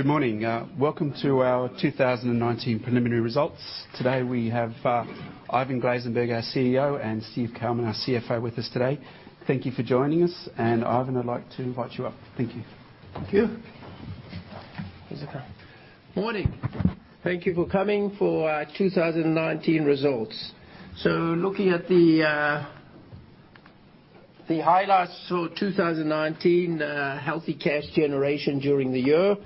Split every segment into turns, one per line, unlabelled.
Good morning. Welcome to our 2019 preliminary results. Today we have Ivan Glasenberg, our CEO, and Steven Kalmin, our CFO with us today. Thank you for joining us. Ivan, I'd like to invite you up. Thank you.
Thank you. Morning. Thank you for coming for our 2019 results. Looking at the highlights for 2019, healthy cash generation during the year.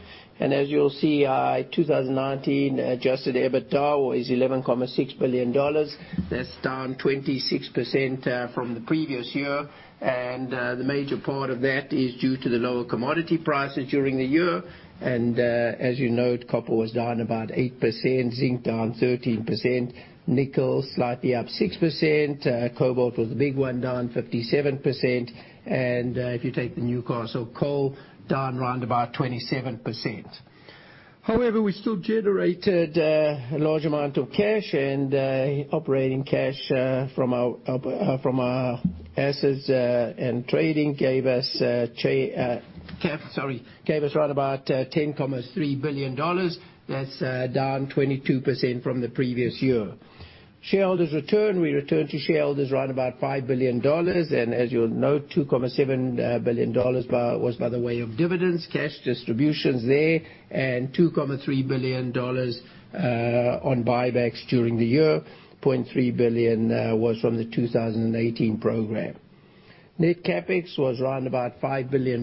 As you'll see, our 2019 adjusted EBITDA is $11.6 billion. That's down 26% from the previous year. The major part of that is due to the lower commodity prices during the year. As you note, copper was down about 8%, zinc down 13%, nickel slightly up 6%, cobalt was the big one, down 57%. If you take the Newcastle Coal, down around about 27%. However, we still generated a large amount of cash and operating cash from our assets and trading gave us right about $10.3 billion. That's down 22% from the previous year. Shareholders return, we returned to shareholders right about $5 billion and as you'll note, $2.7 billion was by the way of dividends, cash distributions there, and $2.3 billion on buybacks during the year, $0.3 billion was from the 2018 program. Net CapEx was around about $5 billion.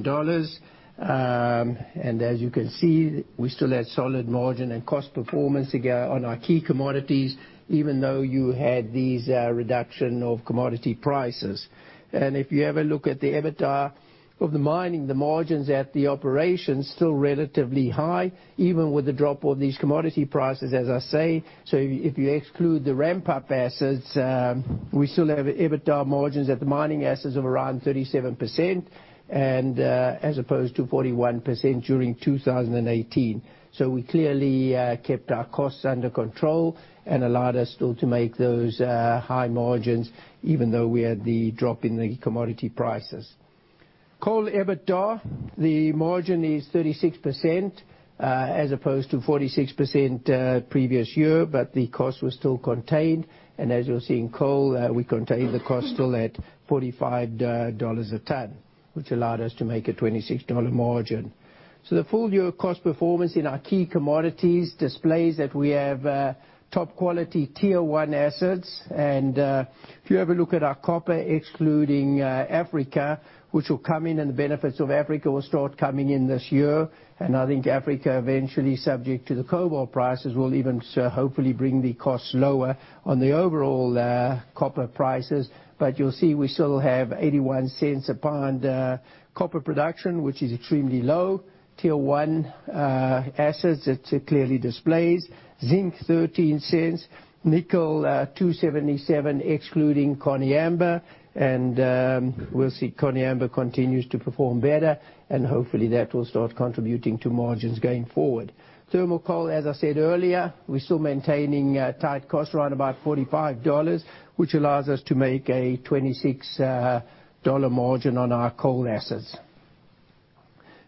As you can see, we still had solid margin and cost performance on our key commodities, even though you had these reduction of commodity prices. If you have a look at the EBITDA of the mining, the margins at the operations still relatively high, even with the drop of these commodity prices, as I say. If you exclude the ramp-up assets, we still have EBITDA margins at the mining assets of around 37%, and as opposed to 41% during 2018. We clearly kept our costs under control and allowed us still to make those high margins even though we had the drop in the commodity prices. Coal EBITDA, the margin is 36%, as opposed to 46% previous year, but the cost was still contained. As you'll see in coal, we contained the cost still at $45 a ton, which allowed us to make a $26 margin. The full-year cost performance in our key commodities displays that we have top quality tier one assets. If you have a look at our copper excluding Africa, which will come in and the benefits of Africa will start coming in this year. I think Africa eventually, subject to the cobalt prices, will even hopefully bring the costs lower on the overall copper prices. You'll see we still have $0.81 a pound copper production, which is extremely low. Tier 1 assets, it clearly displays. Zinc, $0.13. Nickel, $2.77 excluding Koniambo. We'll see Koniambo continues to perform better and hopefully that will start contributing to margins going forward. Thermal coal, as I said earlier, we're still maintaining tight cost around about $45, which allows us to make a $26 margin on our coal assets.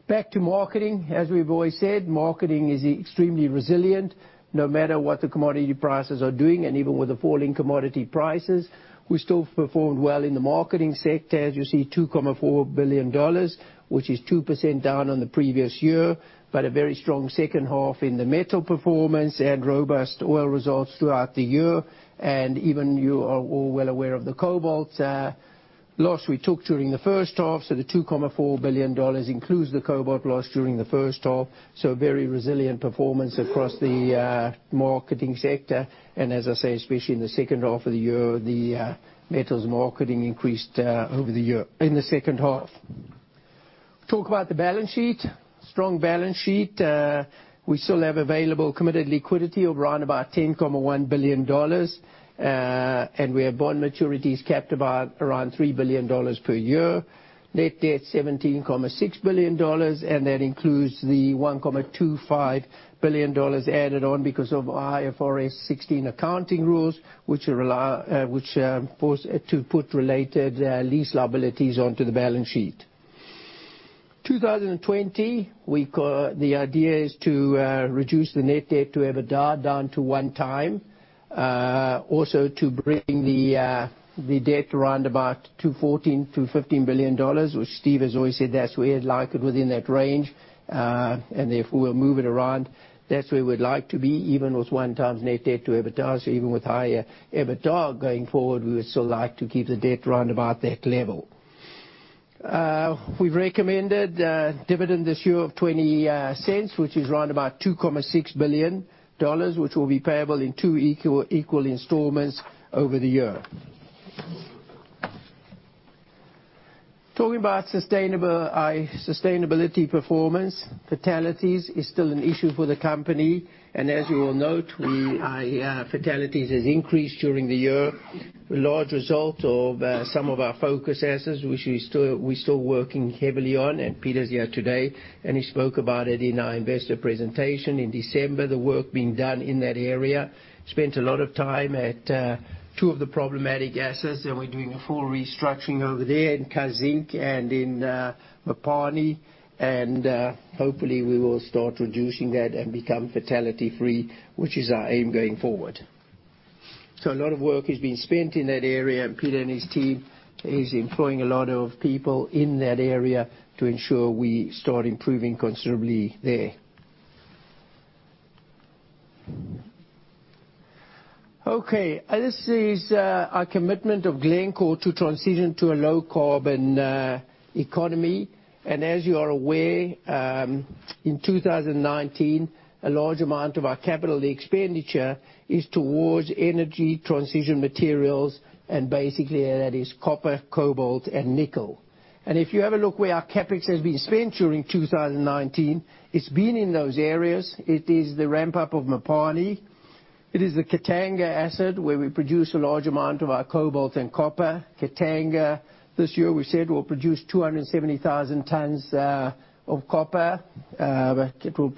Back to marketing. As we've always said, marketing is extremely resilient, no matter what the commodity prices are doing and even with the falling commodity prices. We still performed well in the marketing sector, as you see $2.4 billion, which is 2% down on the previous year, but a very strong second half in the metal performance and robust oil results throughout the year. Even you are all well aware of the cobalt loss we took during the first half, so the $2.4 billion includes the cobalt loss during the first half. Very resilient performance across the marketing sector. As I say, especially in the second half of the year, the metals marketing increased over the year in the second half. Talk about the balance sheet. Strong balance sheet. We still have available committed liquidity of around about $10.1 billion. We have bond maturities capped around $3 billion per year. Net debt, $17.6 billion, that includes the $1.25 billion added on because of IFRS 16 accounting rules, which force it to put related lease liabilities onto the balance sheet. 2020, the idea is to reduce the net debt to EBITDA down to 1 time. Also to bring the debt around about $214-$15 billion, which Steve has always said that's where he'd like it within that range. Therefore, we'll move it around. That's where we'd like to be, even with 1 times net debt to EBITDA. Even with higher EBITDA going forward, we would still like to keep the debt around about that level. We've recommended dividend this year of $0.20, which is around about $2.6 billion, which will be payable in two equal installments over the year. Talking about sustainability performance, fatalities is still an issue for the company. As you will note, fatalities has increased during the year. Large result of some of our focus assets which we're still working heavily on and Peter's here today and he spoke about it in our investor presentation in December, the work being done in that area. Spent a lot of time at two of the problematic assets and we're doing a full restructuring over there in Kazzinc and in Mopani. Hopefully we will start reducing that and become fatality free, which is our aim going forward. A lot of work is being spent in that area, and Peter and his team is employing a lot of people in that area to ensure we start improving considerably there. This is our commitment of Glencore to transition to a low carbon economy. As you are aware, in 2019, a large amount of our capital expenditure is towards energy transition materials and basically that is copper, cobalt and nickel. If you have a look where our CapEx has been spent during 2019, it's been in those areas. It is the ramp-up of Mopani. It is the Katanga asset where we produce a large amount of our cobalt and copper. Katanga, this year we said we'll produce 270,000 tons of copper. It will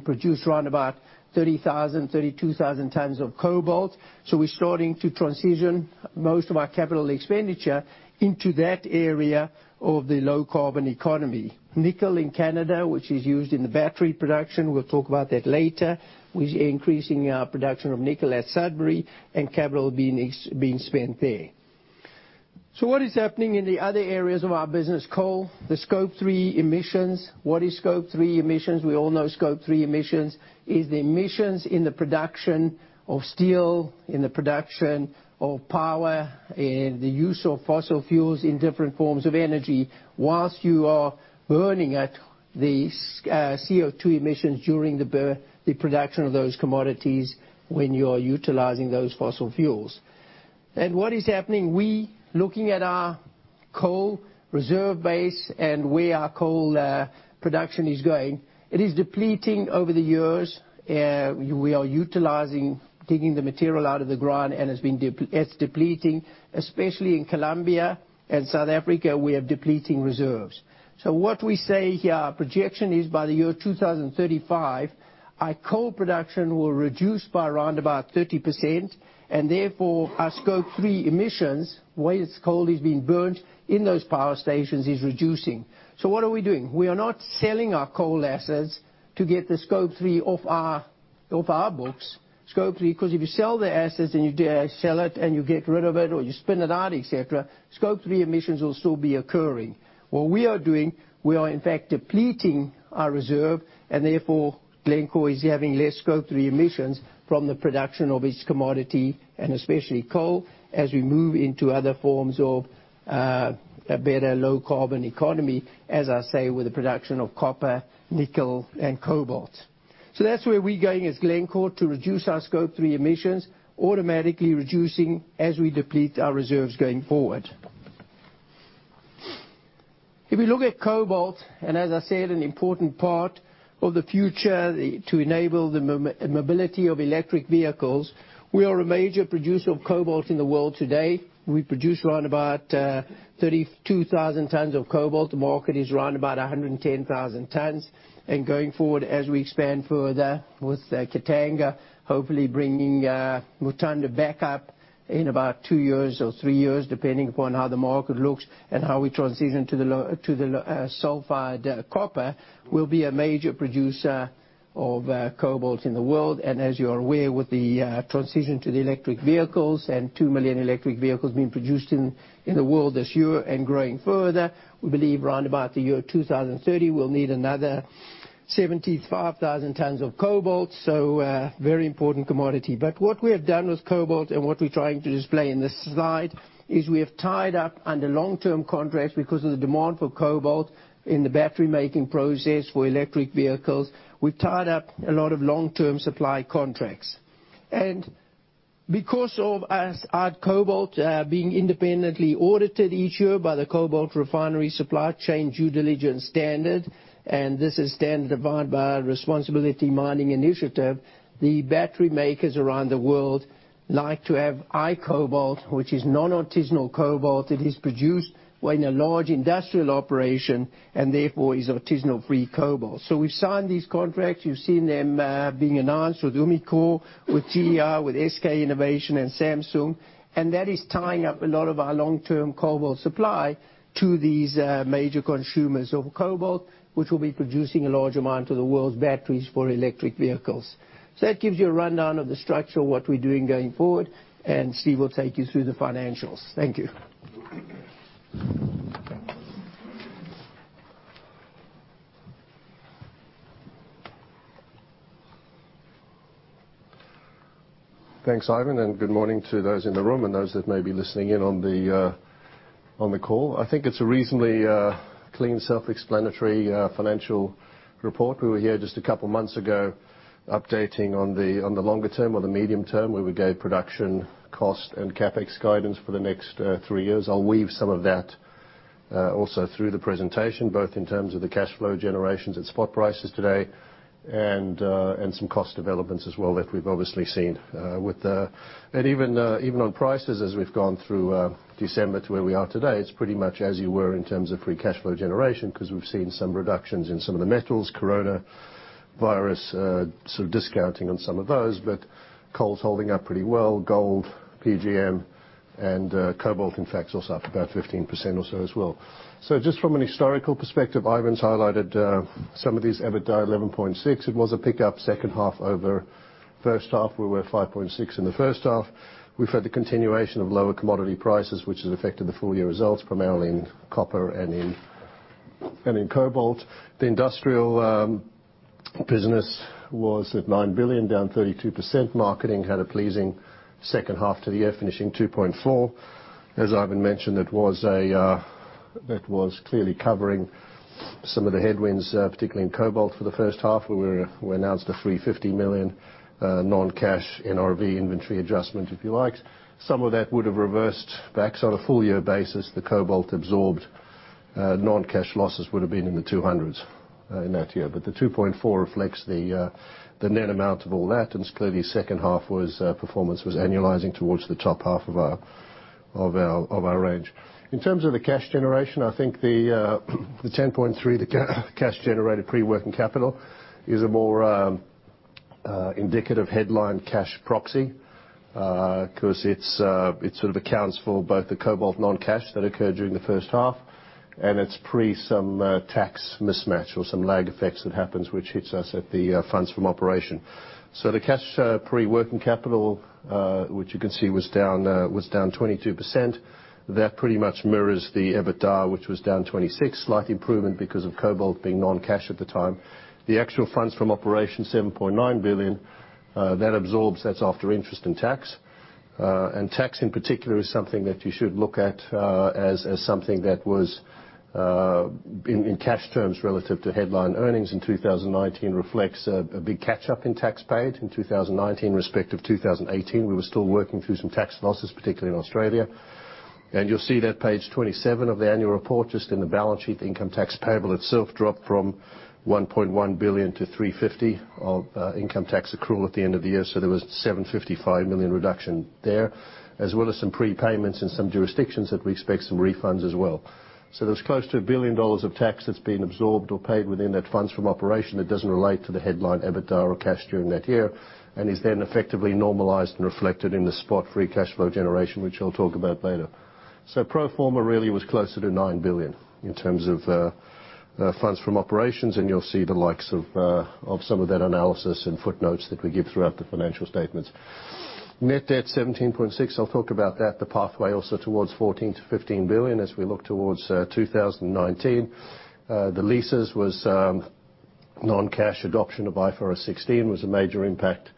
produce around about 30,000 tons-32,000 tons of cobalt. We're starting to transition most of our capital expenditure into that area of the low carbon economy. Nickel in Canada, which is used in the battery production, we'll talk about that later. We're increasing our production of nickel at Sudbury and capital is being spent there. What is happening in the other areas of our business? Coal, the Scope 3 emissions. What is Scope 3 emissions? We all know Scope 3 emissions is the emissions in the production of steel, in the production of power, in the use of fossil fuels in different forms of energy whilst you are burning at the CO2 emissions during the production of those commodities when you are utilizing those fossil fuels. What is happening, we looking at our coal reserve base and where our coal production is going, it is depleting over the years. We are utilizing, digging the material out of the ground, and it's depleting, especially in Colombia and South Africa, we have depleting reserves. What we say here, our projection is by the year 2035, our coal production will reduce by around about 30%, and therefore our Scope 3 emissions, where this coal is being burnt in those power stations, is reducing. What are we doing? We are not selling our coal assets to get the Scope 3 off our books. Scope 3, because if you sell the assets and you sell it and you get rid of it or you spin it out, et cetera, Scope 3 emissions will still be occurring. What we are doing, we are in fact depleting our reserve and therefore Glencore is having less Scope 3 emissions from the production of its commodity and especially coal as we move into other forms of a better low carbon economy, as I say, with the production of copper, nickel and cobalt. That's where we're going as Glencore to reduce our Scope 3 emissions, automatically reducing as we deplete our reserves going forward. If you look at cobalt, and as I said, an important part of the future to enable the mobility of electric vehicles, we are a major producer of cobalt in the world today. We produce around about 32,000 tons of cobalt. The market is around about 110,000 tons. Going forward, as we expand further with Katanga, hopefully bringing Mutanda back up in about two years or three years, depending upon how the market looks and how we transition to the sulfide copper, we'll be a major producer of cobalt in the world. As you are aware, with the transition to the electric vehicles and two million electric vehicles being produced in the world this year and growing further, we believe around about the year 2030, we'll need another 75,000 tons of cobalt. A very important commodity. What we have done with cobalt and what we're trying to display in this slide is we have tied up under long-term contracts because of the demand for cobalt in the battery-making process for electric vehicles. We tied up a lot of long-term supply contracts. Because of our cobalt being independently audited each year by the Cobalt Refinery Supply Chain Due Diligence Standard, this is a standard defined by our Responsible Minerals Initiative, the battery makers around the world like to have iCobalt, which is non-artisanal cobalt. It is produced in a large industrial operation and therefore is artisanal-free cobalt. We've signed these contracts. You've seen them being announced with Umicore, with TR, with SK Innovation and Samsung, and that is tying up a lot of our long-term cobalt supply to these major consumers of cobalt, which will be producing a large amount of the world's batteries for electric vehicles. That gives you a rundown of the structure of what we're doing going forward, and Steve will take you through the financials. Thank you.
Thanks, Ivan. Good morning to those in the room and those that may be listening in on the call. I think it's a reasonably clean, self-explanatory financial report. We were here just a couple of months ago updating on the longer term or the medium term, where we gave production cost and CapEx guidance for the next three years. I'll weave some of that also through the presentation, both in terms of the cash flow generations and spot prices today and some cost developments as well that we've obviously seen. Even on prices as we've gone through December to where we are today, it's pretty much as you were in terms of free cash flow generation because we've seen some reductions in some of the metals, coronavirus sort of discounting on some of those, but coal's holding up pretty well. Gold, PGM. Cobalt, in fact, is also up about 15% or so as well. Just from an historical perspective, Ivan's highlighted some of these EBITDA 11.6. It was a pickup second half over first half. We were 5.6 in the first half. We've had the continuation of lower commodity prices, which has affected the full year results, primarily in copper and in cobalt. The industrial business was at $9 billion, down 32%. Marketing had a pleasing second half to the year, finishing $2.4. As Ivan mentioned, that was clearly covering some of the headwinds, particularly in cobalt for the first half, where we announced a $350 million non-cash NRV inventory adjustment, if you like. Some of that would have reversed backs on a full year basis. The cobalt absorbed non-cash losses would have been in the $200s in that year. The $2.4 reflects the net amount of all that, and clearly second half performance was annualizing towards the top half of our range. In terms of the cash generation, I think the $10.3, the cash generated pre-working capital, is a more indicative headline cash proxy, because it sort of accounts for both the cobalt non-cash that occurred during the first half, and it's pre some tax mismatch or some lag effects that happens, which hits us at the funds from operation. The cash pre-working capital, which you can see was down 22%, that pretty much mirrors the EBITDA, which was down 26%. Slight improvement because of cobalt being non-cash at the time. The actual funds from operation $7.9 billion. That's after interest and tax. Tax in particular is something that you should look at as something that was in cash terms relative to headline earnings in 2019 reflects a big catch-up in tax paid in 2019. Respective 2018, we were still working through some tax losses, particularly in Australia. You'll see that page 27 of the annual report, just in the balance sheet, the income tax payable itself dropped from $1.1 billion to $350 of income tax accrual at the end of the year. There was $755 million reduction there, as well as some prepayments in some jurisdictions that we expect some refunds as well. There's close to $1 billion of tax that's been absorbed or paid within that funds from operation that doesn't relate to the headline EBITDA or cash during that year and is then effectively normalized and reflected in the spot free cash flow generation, which I'll talk about later. Pro forma really was closer to $9 billion in terms of funds from operations. You'll see the likes of some of that analysis and footnotes that we give throughout the financial statements. Net debt $17.6 billion. I'll talk about that, the pathway also towards $14 billion-$15 billion as we look towards 2019. The leases was non-cash adoption of IFRS 16 was a major impact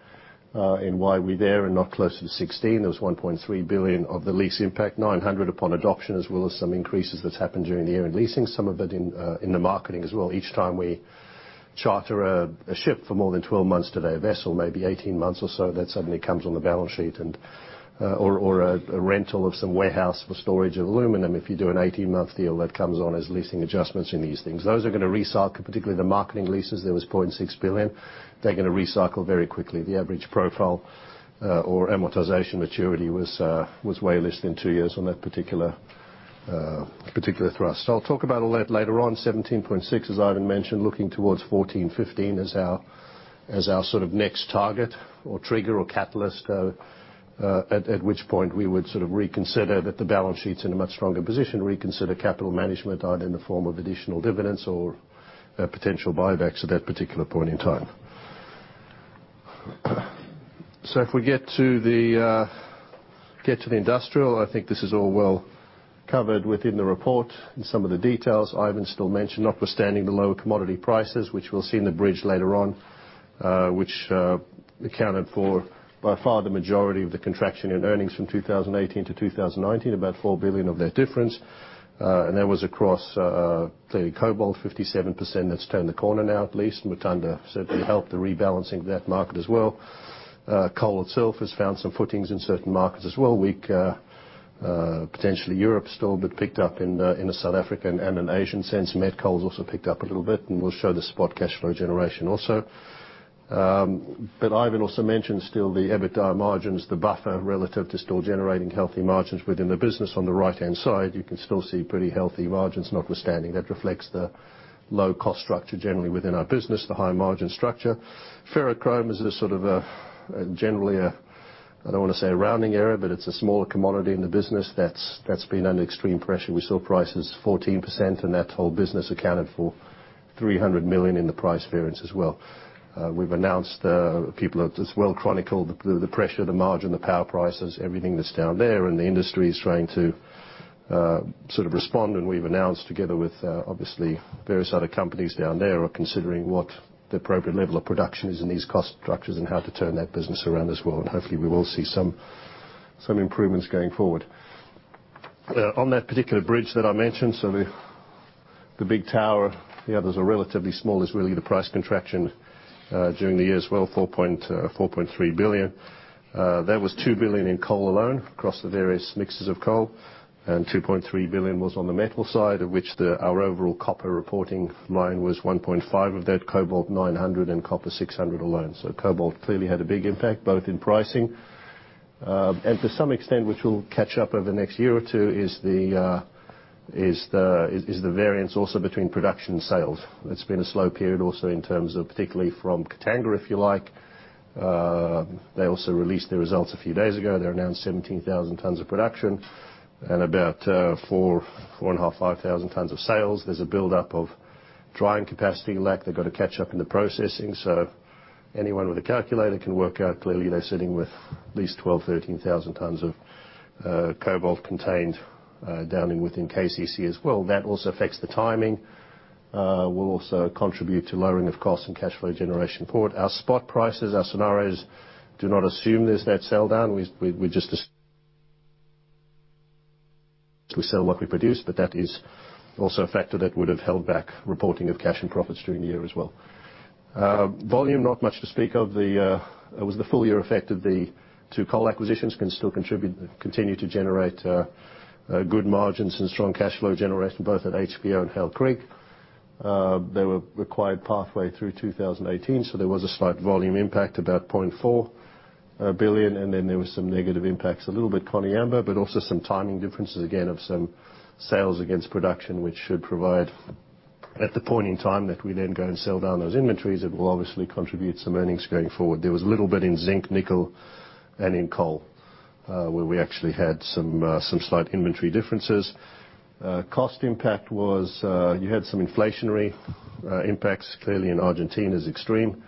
in why we're there and not closer to $16 billion. There was $1.3 billion of the lease impact, $900 million upon adoption, as well as some increases that's happened during the year in leasing, some of it in the marketing as well. Each time we charter a ship for more than 12 months today, a vessel, maybe 18 months or so, that suddenly comes on the balance sheet or a rental of some warehouse for storage of aluminum. If you do an 18-month deal, that comes on as leasing adjustments in these things. Those are going to recycle, particularly the marketing leases. There was $0.6 billion. They're going to recycle very quickly. The average profile or amortization maturity was way less than two years on that particular thrust. I'll talk about all that later on. 17.6, as Ivan mentioned, looking towards 14, 15 as our sort of next target or trigger or catalyst, at which point we would sort of reconsider that the balance sheet's in a much stronger position, reconsider capital management either in the form of additional dividends or potential buybacks at that particular point in time. If we get to the industrial, I think this is all well covered within the report and some of the details. Ivan still mentioned, notwithstanding the lower commodity prices, which we'll see in the bridge later on which accounted for by far the majority of the contraction in earnings from 2018 to 2019, about $4 billion of that difference. That was across the cobalt, 57% that's turned the corner now, at least. Mutanda certainly helped the rebalancing of that market as well. Coal itself has found some footings in certain markets as well. Weak potentially Europe still, picked up in the South African and in Asian sense. Met coal's also picked up a little bit, and we'll show the spot cash flow generation also. Ivan also mentioned still the EBITDA margins, the buffer relative to still generating healthy margins within the business. On the right-hand side, you can still see pretty healthy margins notwithstanding. That reflects the low cost structure generally within our business, the high margin structure. Ferrochrome is a sort of a, generally a, I don't want to say a rounding error, but it's a smaller commodity in the business that's been under extreme pressure. We saw prices 14%, and that whole business accounted for $300 million in the price variance as well. We've announced, people have as well chronicled the pressure, the margin, the power prices, everything that's down there, and the industry is trying to sort of respond. We've announced together with obviously various other companies down there are considering what the appropriate level of production is in these cost structures and how to turn that business around as well. Hopefully we will see some improvements going forward. On that particular bridge that I mentioned, so the big tower, the others are relatively small, is really the price contraction during the year as well, $4.3 billion. That was $2 billion in coal alone across the various mixes of coal, and $2.3 billion was on the metal side, of which our overall copper reporting line was $1.5 billion of that, cobalt $900 million, and copper $600 million alone. Cobalt clearly had a big impact, both in pricing. To some extent, which we'll catch up over the next year or two, is the variance also between production and sales. It's been a slow period also in terms of, particularly from Katanga, if you like. They also released their results a few days ago. They announced 17,000 tons of production and about 4,500, 5,000 tons of sales. There's a buildup of drying capacity lack. They've got to catch up in the processing. Anyone with a calculator can work out clearly they're sitting with at least 12,000, 13,000 tons of cobalt contained down in within KCC as well. That also affects the timing, will also contribute to lowering of cost and cash flow generation forward. Our spot prices, our scenarios do not assume there's that sell down. We sell what we produce, but that is also a factor that would have held back reporting of cash and profits during the year as well. Volume, not much to speak of. It was the full year effect of the two coal acquisitions, can still continue to generate good margins and strong cash flow generation, both at Hunter Valley Operations and Hail Creek. They were acquired partway through 2018, so there was a slight volume impact, about $0.4 billion, and then there was some negative impacts, a little bit Koniambo, but also some timing differences again of some sales against production, which should provide at the point in time that we then go and sell down those inventories, it will obviously contribute some earnings going forward. There was a little bit in zinc, nickel, and in coal, where we actually had some slight inventory differences. Cost impact was, you had some inflationary impacts. Clearly, in Argentina is extreme.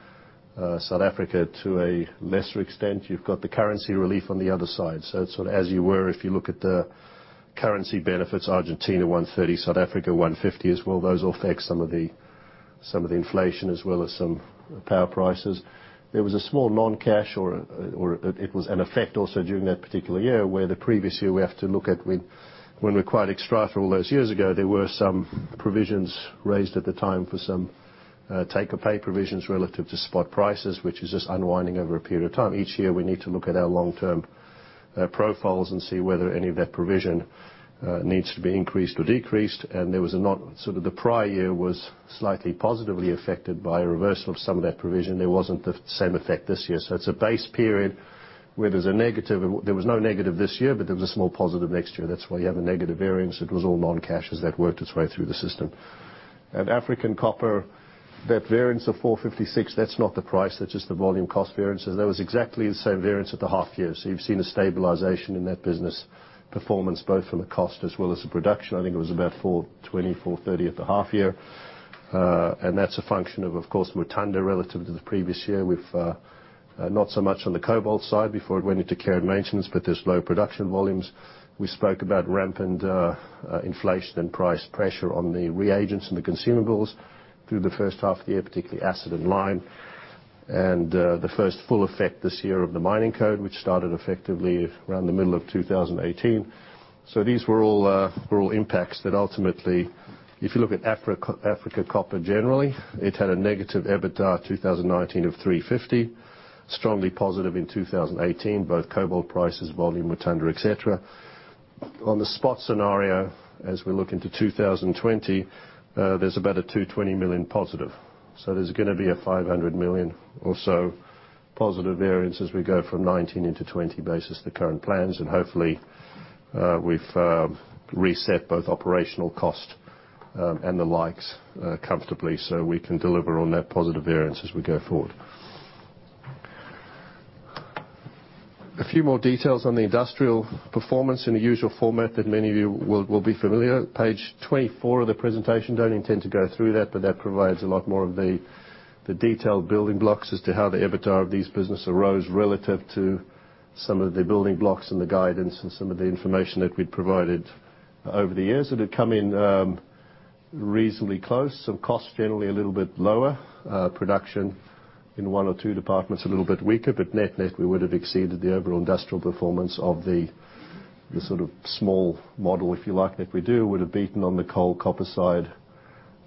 South Africa, to a lesser extent. You've got the currency relief on the other side. It's sort of as you were, if you look at the currency benefits, Argentina 130, South Africa 150 as well. Those affect some of the inflation as well as some power prices. There was a small non-cash, or it was an effect also during that particular year, where the previous year, we have to look at when we acquired Xstrata all those years ago, there were some provisions raised at the time for some take or pay provisions relative to spot prices, which is just unwinding over a period of time. Each year, we need to look at our long-term profiles and see whether any of that provision needs to be increased or decreased. The prior year was slightly positively affected by a reversal of some of that provision. There wasn't the same effect this year. It's a base period where there's a negative. There was no negative this year, but there was a small positive next year. That's why you have a negative variance. It was all non-cash as that worked its way through the system. At African Copper, that variance of $456, that's not the price, that's just the volume cost variances. That was exactly the same variance at the half year. You've seen a stabilization in that business performance, both from a cost as well as a production. I think it was about $420, $430 at the half year. That's a function of course, Mutanda relative to the previous year. Not so much on the cobalt side before it went into care and maintenance, there is low production volumes. We spoke about ramp and inflation and price pressure on the reagents and the consumables through the first half of the year, particularly acid and lime. The first full effect this year of the mining code, which started effectively around the middle of 2018. These were all impacts that ultimately, if you look at Africa Copper generally, it had a negative EBITDA 2019 of $350 million, strongly positive in 2018, both cobalt prices, volume with Mutanda, et cetera. On the spot scenario, as we look into 2020, there is about a $220 million positive. There is going to be a $500 million or so positive variance as we go from 2019 into 2020 basis to current plans. Hopefully, we've reset both operational cost and the likes comfortably so we can deliver on that positive variance as we go forward. A few more details on the industrial performance in the usual format that many of you will be familiar. Page 24 of the presentation. Don't intend to go through that, but that provides a lot more of the detailed building blocks as to how the EBITDA of this business arose relative to some of the building blocks and the guidance and some of the information that we'd provided over the years. It had come in reasonably close. Cost generally a little bit lower. Production in one or two departments a little bit weaker. Net-net, we would have exceeded the overall industrial performance of the sort of small model, if you like, that we do. Would have beaten on the coal, copper side,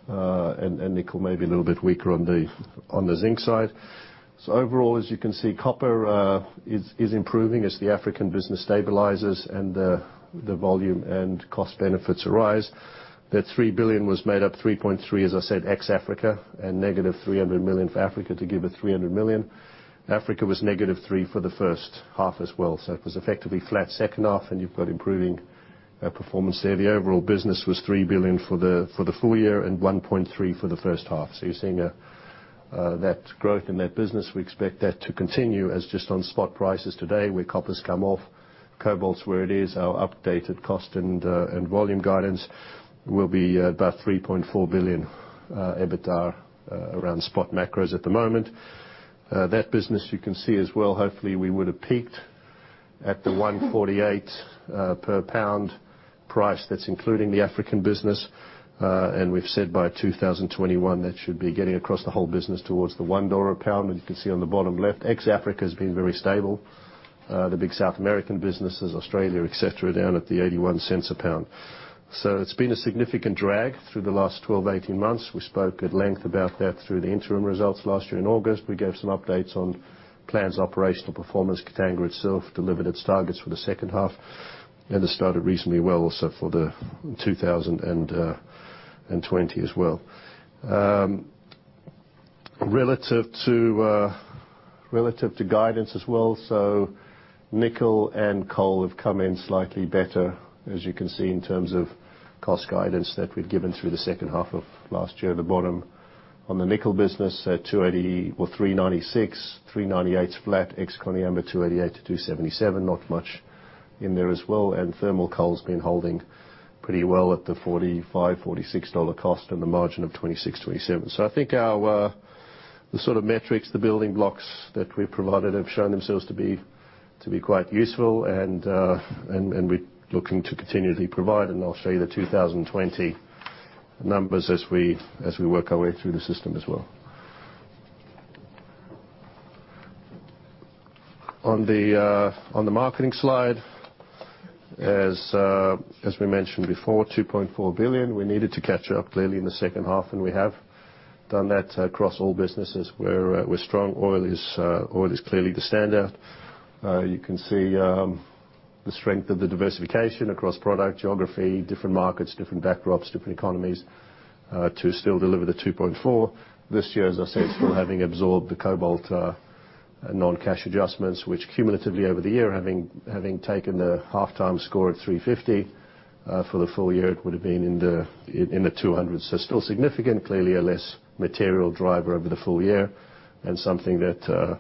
and nickel may be a little bit weaker on the zinc side. Overall, as you can see, copper is improving as the African business stabilizes and the volume and cost benefits arise. That $3 billion was made up $3.3, as I said, ex-Africa, and negative $300 million for Africa to give a $300 million. Africa was negative $3 for the first half as well. It was effectively flat second half, and you've got improving performance there. The overall business was $3 billion for the full year and $1.3 billion for the first half. You're seeing that growth in that business. We expect that to continue as just on spot prices today, where copper's come off, cobalt's where it is. Our updated cost and volume guidance will be about $3.4 billion EBITDA around spot macros at the moment. That business you can see as well, hopefully, we would have peaked at the $1.48 per pound price. That's including the African business. We've said by 2021, that should be getting across the whole business towards the $1 a pound. You can see on the bottom left, ex-Africa has been very stable. The big South American businesses, Australia, et cetera, down at the $0.81 a pound. It's been a significant drag through the last 12, 18 months. We spoke at length about that through the interim results last year in August. We gave some updates on plans, operational performance. Katanga itself delivered its targets for the second half, and has started reasonably well also for the 2020 as well. Relative to guidance as well. Nickel and coal have come in slightly better, as you can see, in terms of cost guidance that we'd given through the second half of last year at the bottom. On the nickel business at $396, $398's flat, ex-Koniambo at $288-$277, not much in there as well. Thermal coal's been holding pretty well at the $45, $46 cost and the margin of 26%-27%. I think the sort of metrics, the building blocks that we've provided have shown themselves to be quite useful and we're looking to continually provide, and I'll show you the 2020 numbers as we work our way through the system as well. On the marketing slide, as we mentioned before, $2.4 billion. We needed to catch up clearly in the second half, and we have done that across all businesses. We're strong. Oil is clearly the standout. You can see the strength of the diversification across product, geography, different markets, different backdrops, different economies, to still deliver the $2.4 this year, as I said, still having absorbed the cobalt non-cash adjustments, which cumulatively over the year, having taken the halftime score of $350 for the full year, it would have been in the $200s. Still significant. Clearly, a less material driver over the full year and something that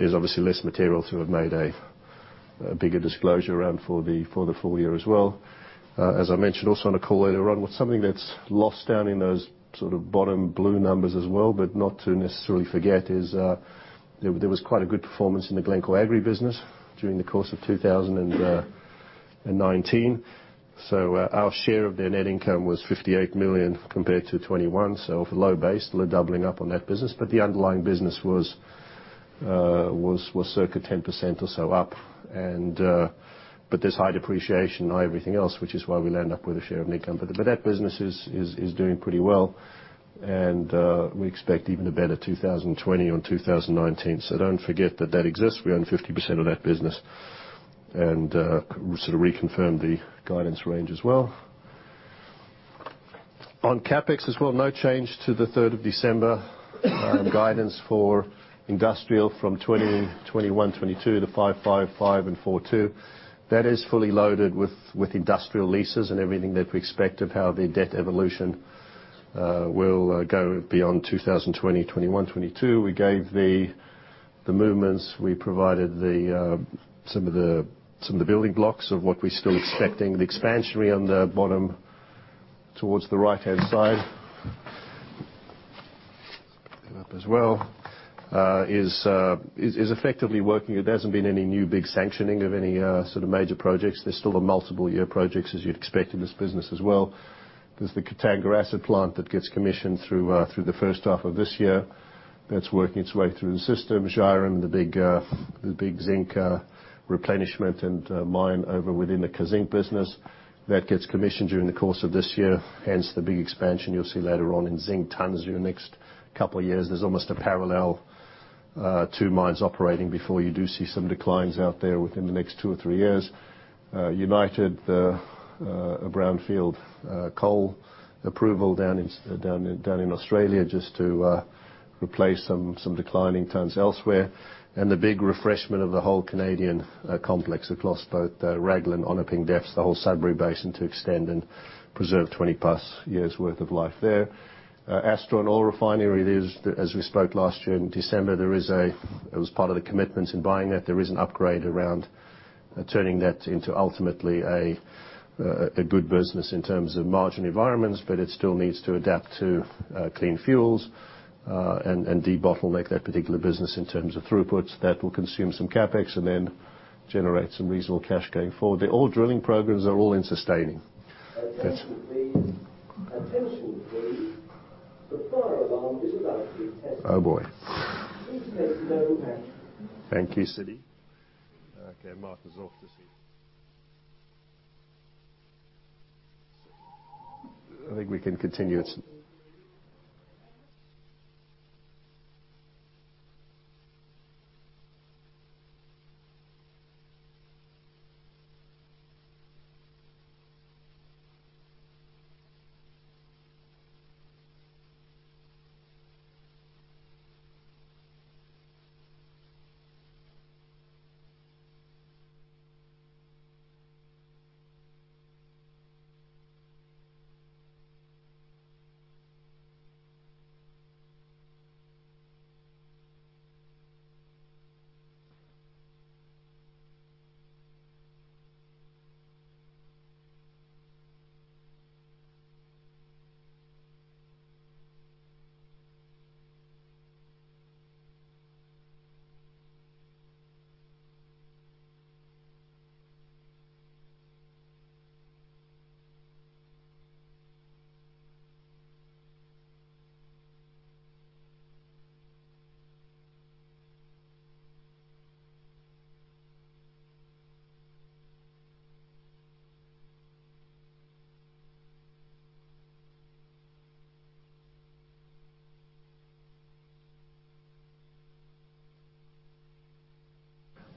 is obviously less material to have made a bigger disclosure around for the full year as well. As I mentioned also on a call later on, something that's lost down in those bottom blue numbers as well, but not to necessarily forget, is there was quite a good performance in the Glencore Agri business during the course of 2019. Our share of their net income was $58 million compared to $21. Off a low base, still a doubling up on that business. The underlying business was circa 10% or so up. There's high depreciation on everything else, which is why we land up with a share of net income. That business is doing pretty well, and we expect even a better 2020 on 2019. Don't forget that that exists. We own 50% of that business and reconfirm the guidance range as well. On CapEx as well, no change to the 3rd of December guidance for industrial from 2021, 2022 to five, five and four two. That is fully loaded with industrial leases and everything that we expect of how the debt evolution will go beyond 2020, 2021, 2022. We gave the movements, we provided some of the building blocks of what we're still expecting. The expansionary on the bottom towards the right-hand side, open up as well, is effectively working. There hasn't been any new big sanctioning of any sort of major projects. There's still the multiple year projects as you'd expect in this business as well. There's the Katanga acid plant that gets commissioned through the first half of this year. That's working its way through the system. Zhairem, the big zinc replenishment and mine over within the Kazzinc business. That gets commissioned during the course of this year, hence the big expansion you'll see later on in zinc tons over the next couple of years. There's almost a parallel two mines operating before you do see some declines out there within the next two or three years. United, a brownfield coal approval down in Australia just to replace some declining tons elsewhere. The big refreshment of the whole Canadian complex across both the Raglan, Onaping Depth, the whole Sudbury Basin to extend and preserve 20-plus years' worth of life there. Astron, an oil refinery it is. As we spoke last year in December, it was part of the commitments in buying that. There is an upgrade around turning that into ultimately a good business in terms of margin environments, but it still needs to adapt to clean fuels and debottleneck that particular business in terms of throughputs. That will consume some CapEx and then generate some reasonable cash going forward. The oil drilling programs are all in sustaining.
Attention, please. The fire alarm is about to be tested.
Oh, boy.
Please take no action.
Thank you, Cindy. Okay, Mark is off this week. I think we can continue.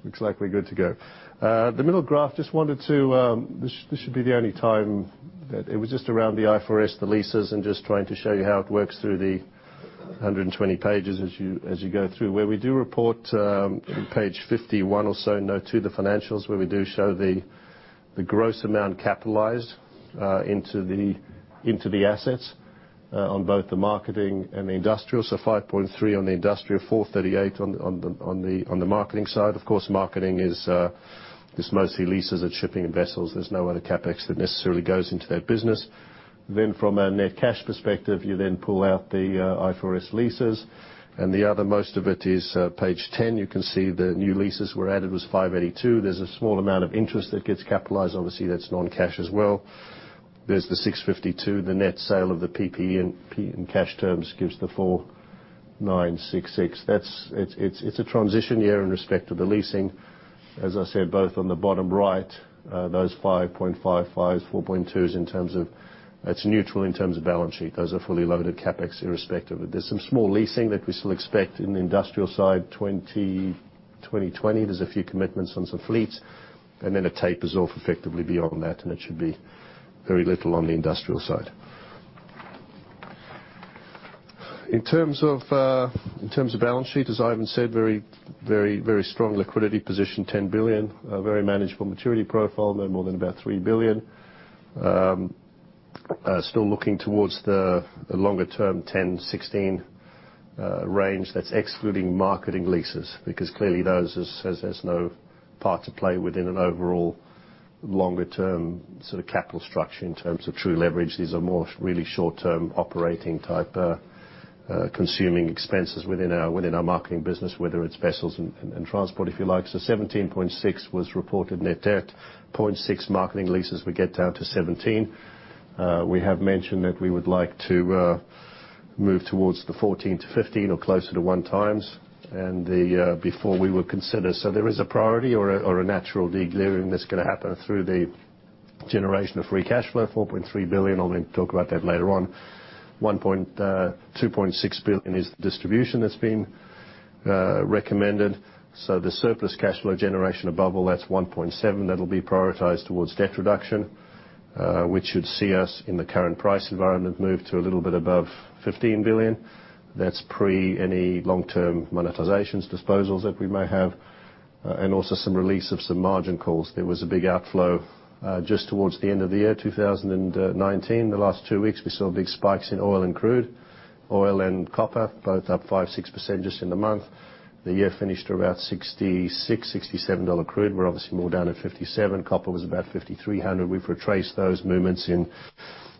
Looks like we're good to go. The middle graph, this should be the only time that it was just around the IFRS, the leases, and just trying to show you how it works through the 120 pages as you go through. Where we do report, page 51 or so, Note two, the financials, where we do show the gross amount capitalized into the assets on both the marketing and the industrial. $5.3 on the industrial, $438 on the marketing side. Of course, marketing is just mostly leases and shipping and vessels. There's no other CapEx that necessarily goes into that business. From a net cash perspective, you then pull out the IFRS leases and the other, most of it is page 10. You can see the new leases were added was $582. There's a small amount of interest that gets capitalized. Obviously, that's non-cash as well. There's the $652, the net sale of the PPE in cash terms gives the $4,966. It's a transition year in respect to the leasing. As I said, both on the bottom right, those 5.55, 4.2s, it's neutral in terms of balance sheet. Those are fully loaded CapEx irrespective. There's some small leasing that we still expect in the industrial side, 2020. There's a few commitments on some fleets, and then it tapers off effectively beyond that, and it should be very little on the industrial side. In terms of balance sheet, as Ivan said, very strong liquidity position, $10 billion. A very manageable maturity profile, no more than about $3 billion. Still looking towards the longer term, 10-16 range. That's excluding marketing leases because clearly those has no part to play within an overall longer term capital structure in terms of true leverage. These are more really short-term operating type consuming expenses within our marketing business, whether it's vessels and transport, if you like. $17.6 was reported net debt, $0.6 marketing leases, we get down to $17. We have mentioned that we would like to move towards the $14-$15 or closer to one times before we would consider. There is a priority or a natural de-gearing that's going to happen through the generation of free cash flow, $4.3 billion. I'm going to talk about that later on. $2.6 billion is distribution that's been recommended. The surplus cash flow generation above all that's 1.7, that'll be prioritized towards debt reduction, which should see us in the current price environment move to a little bit above $15 billion. That's pre any long-term monetizations disposals that we may have, and also some release of some margin calls. There was a big outflow, just towards the end of the year, 2019. The last two weeks, we saw big spikes in oil and crude, oil and copper, both up 5%, 6% just in the month. The year finished about $66, $67 crude. We're obviously more down at $57. Copper was about $5,300. We've retraced those movements in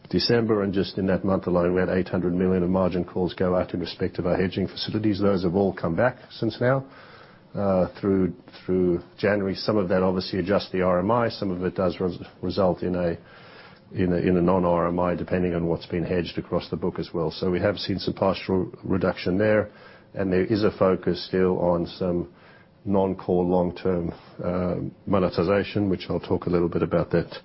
December and just in that month alone, we had $800 million of margin calls go out in respect of our hedging facilities. Those have all come back since now through January. Some of that obviously adjusts the RMI. Some of it does result in a non-RMI, depending on what's been hedged across the book as well. We have seen some partial reduction there, and there is a focus still on some non-core long-term monetization, which I'll talk a little bit about that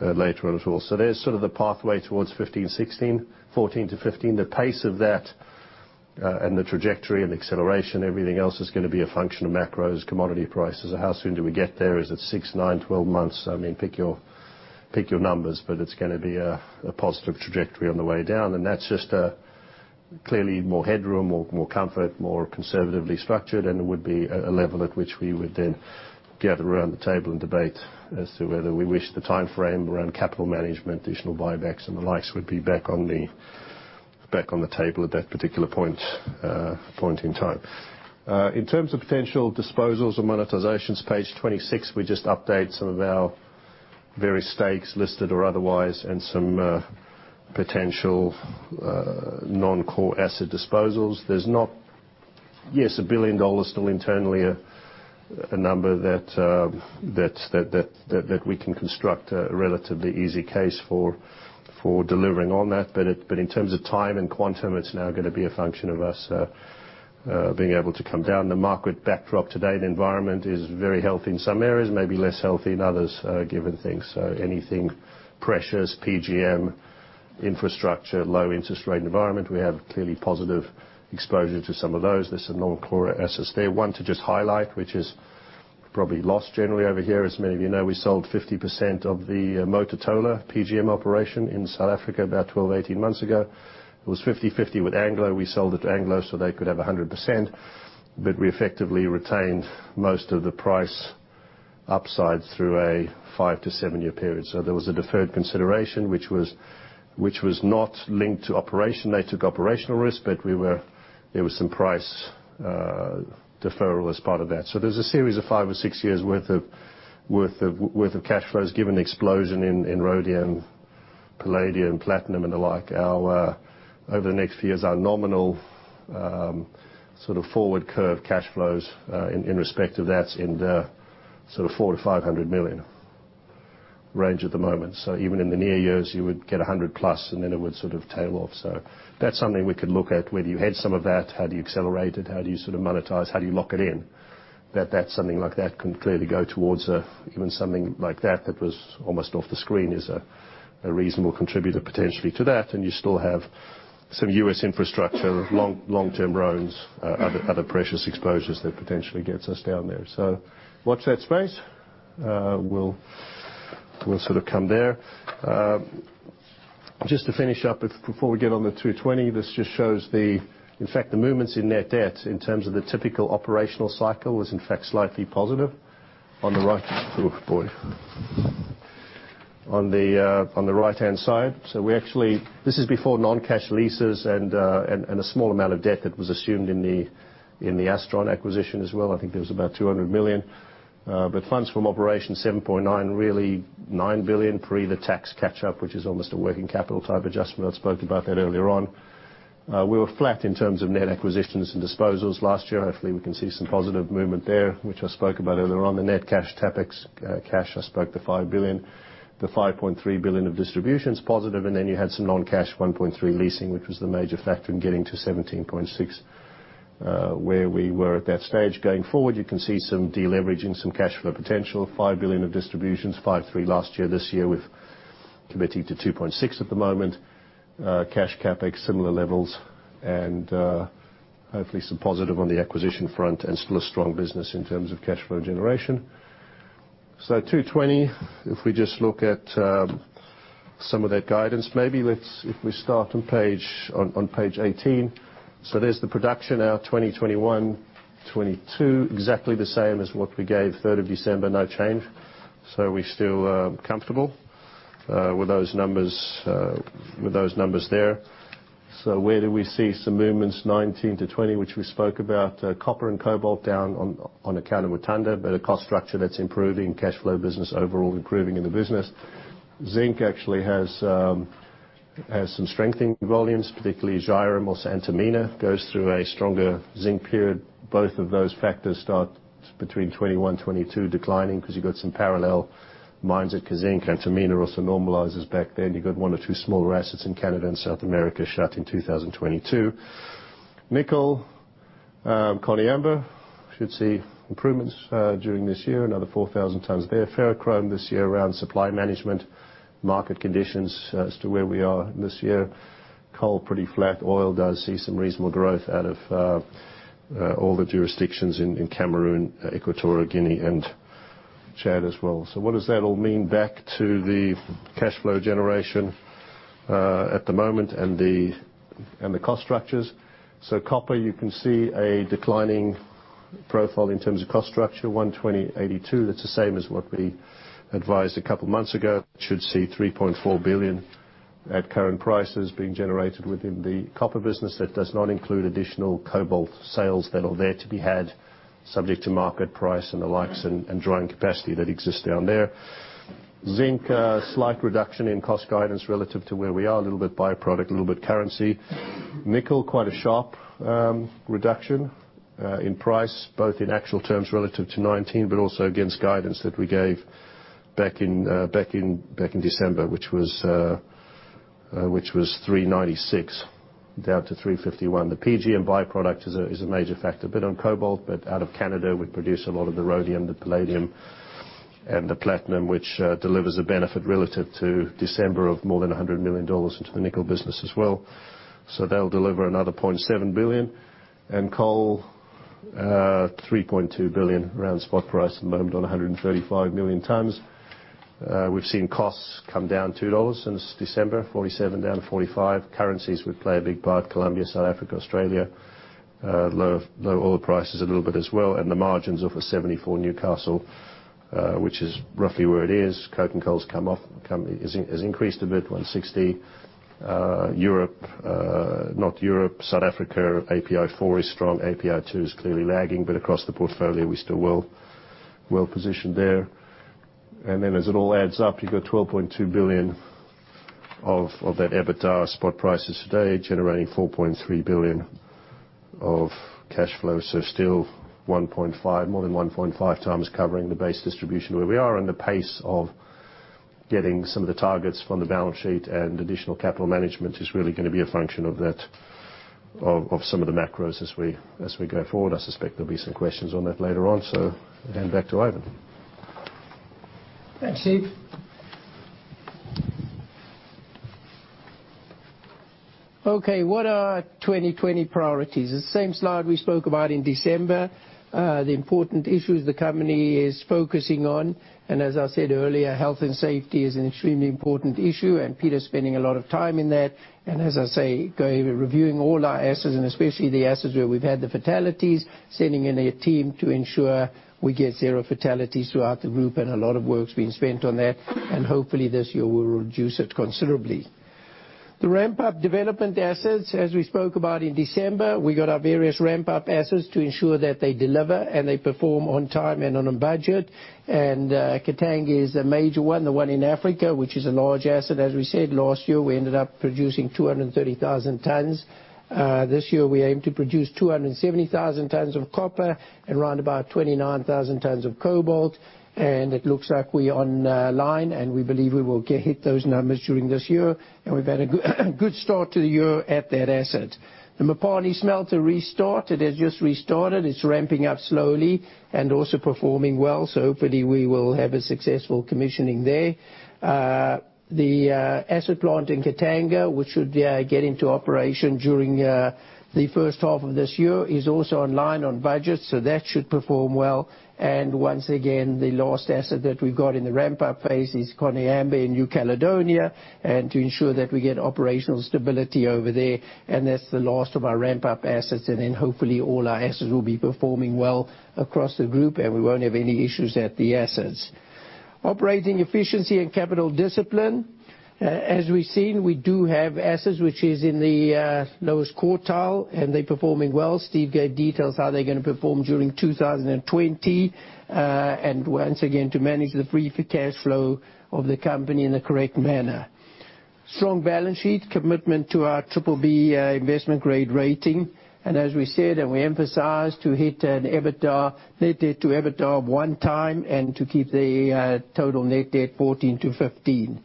later on as well. There's sort of the pathway towards '15, '16, 14-15. The pace of that and the trajectory and acceleration, everything else is going to be a function of macros, commodity prices. How soon do we get there? Is it six, nine, 12 months? I mean, pick your numbers, but it's going to be a positive trajectory on the way down. That's just clearly more headroom, more comfort, more conservatively structured, and it would be a level at which we would then gather around the table and debate as to whether we wish the timeframe around capital management, additional buybacks, and the likes would be back on the table at that particular point in time. In terms of potential disposals or monetizations, page 26, we just update some of our various stakes listed or otherwise, and some potential non-core asset disposals. Yes, $1 billion still internally a number that we can construct a relatively easy case for delivering on that. In terms of time and quantum, it's now going to be a function of us being able to come down. The market backdrop today, the environment is very healthy in some areas, maybe less healthy in others, given things. Anything precious, PGM, infrastructure, low interest rate environment, we have clearly positive exposure to some of those. There's some non-core assets there. One to just highlight, which is probably lost generally over here. As many of you know, we sold 50% of the Mototolo PGM operation in South Africa about 12, 18 months ago. It was 50/50 with Anglo. We sold it to Anglo so they could have 100%, but we effectively retained most of the price upside through a five to seven-year period. There was a deferred consideration which was not linked to operation. They took operational risk, but there was some price deferral as part of that. There's a series of five or six years worth of cash flows given the explosion in rhodium, palladium, platinum and the like. Over the next few years, our nominal forward curve cash flows in respect of that in the $400 million-$500 million range at the moment. Even in the near years, you would get $100 million+ and then it would tail off. That's something we could look at, whether you hedge some of that, how do you accelerate it, how do you monetize, how do you lock it in? Something like that can clearly go towards even something like that was almost off the screen is a reasonable contributor potentially to that. You still have some U.S. infrastructure, long-term loans, other precious exposures that potentially gets us down there. Watch that space. We'll sort of come there. Just to finish up before we get on the 2020, this just shows the, in fact, the movements in net debt in terms of the typical operational cycle was in fact slightly positive on the right. Oh, boy. On the right-hand side. This is before non-cash leases and a small amount of debt that was assumed in the Astron acquisition as well. I think there was about $200 million. Funds from operations $7.9, really $9 billion pre the tax catch-up, which is almost a working capital type adjustment. I spoke about that earlier on. We were flat in terms of net acquisitions and disposals last year. Hopefully, we can see some positive movement there, which I spoke about earlier on. The net cash CapEx, I spoke to the $5 billion, the $5.3 billion of distributions positive. You had some non-cash, $1.3 leasing, which was the major factor in getting to $17.6, where we were at that stage. Going forward, you can see some deleveraging, some cash flow potential, $5 billion of distributions, $5.3 last year. This year, we've committed to $2.6 at the moment. Cash CapEx, similar levels. Hopefully, some positive on the acquisition front and still a strong business in terms of cash flow generation. 2020, if we just look at some of that guidance, maybe if we start on page 18. There's the production, our 2021, 2022, exactly the same as what we gave 3rd of December, no change. We're still comfortable with those numbers there. Where do we see some movements? 2019 to 2020, which we spoke about. Copper and cobalt down on account of Mutanda, a cost structure that's improving, cash flow business overall improving in the business. Zinc actually has some strengthening volumes, particularly Zhairem or Antamina goes through a stronger zinc period. Both of those factors start between 2021, 2022 declining because you've got some parallel mines at Kazzinc. Antamina also normalizes back then. You've got one or two smaller assets in Canada and South America shut in 2022. Nickel, Koniambo, should see improvements during this year, another 4,000 tons there. Ferrochrome this year around supply management, market conditions as to where we are this year. Coal, pretty flat. Oil does see some reasonable growth out of all the jurisdictions in Cameroon, Equatorial Guinea, and Chad as well. What does that all mean back to the cash flow generation at the moment and the cost structures? Copper, you can see a declining profile in terms of cost structure, 120/82. That's the same as what we advised a couple of months ago. Should see $3.4 billion at current prices being generated within the copper business. That does not include additional cobalt sales that are there to be had, subject to market price and the likes and drawing capacity that exists down there. Zinc, a slight reduction in cost guidance relative to where we are, a little bit by-product, a little bit currency. Nickel, quite a sharp reduction in price, both in actual terms relative to 2019, but also against guidance that we gave back in December, which was $396 down to $351. The PGM by-product is a major factor. A bit on cobalt, but out of Canada, we produce a lot of the rhodium, the palladium, and the platinum, which delivers a benefit relative to December of more than $100 million into the nickel business as well. They'll deliver another $0.7 billion. Coal, $3.2 billion around spot price at the moment on 135 million tons. We've seen costs come down $2 since December, 47 down to 45. Currencies would play a big part. Colombia, South Africa, Australia. Low oil prices a little bit as well. The margins of a $74 Newcastle, which is roughly where it is. Coking coals has increased a bit, $160. Europe, not Europe, South Africa, API4 is strong, API2 is clearly lagging, but across the portfolio, we're still well positioned there. As it all adds up, you've got $12.2 billion of that EBITDA spot prices today generating $4.3 billion of cash flow. Still more than 1.5 times covering the base distribution where we are and the pace of getting some of the targets from the balance sheet and additional capital management is really going to be a function of some of the macros as we go forward. I suspect there'll be some questions on that later on. Hand back to Ivan.
Thanks, Steve. Okay, what are our 2020 priorities? The same slide we spoke about in December. The important issues the company is focusing on. As I said earlier, health and safety is an extremely important issue. Peter's spending a lot of time in that. As I say, reviewing all our assets. Especially the assets where we've had the fatalities, sending in a team to ensure we get zero fatalities throughout the group. A lot of work's being spent on that. Hopefully, this year we'll reduce it considerably. The ramp-up development assets, as we spoke about in December, we got our various ramp-up assets to ensure that they deliver and they perform on time and on budget. Katanga is a major one, the one in Africa, which is a large asset. As we said, last year, we ended up producing 230,000 tons. This year, we aim to produce 270,000 tons of copper and around about 29,000 tons of cobalt. It looks like we are online, and we believe we will hit those numbers during this year. We've had a good start to the year at that asset. The Mopani smelter restart, it has just restarted. It's ramping up slowly and also performing well. Hopefully, we will have a successful commissioning there. The acid plant in Katanga, which should get into operation during the first half of this year, is also online on budget, so that should perform well. Once again, the last asset that we've got in the ramp-up phase is Koniambo in New Caledonia, and to ensure that we get operational stability over there. That's the last of our ramp-up assets, and then hopefully all our assets will be performing well across the group, and we won't have any issues at the assets. Operating efficiency and capital discipline. As we've seen, we do have assets, which is in the lowest quartile, and they're performing well. Steve gave details how they're going to perform during 2020. Once again, to manage the free cash flow of the company in the correct manner. Strong balance sheet, commitment to our triple-B investment grade rating. As we said, and we emphasize to hit an EBITDA, net debt to EBITDA of one time and to keep the total net debt $14 billion-$15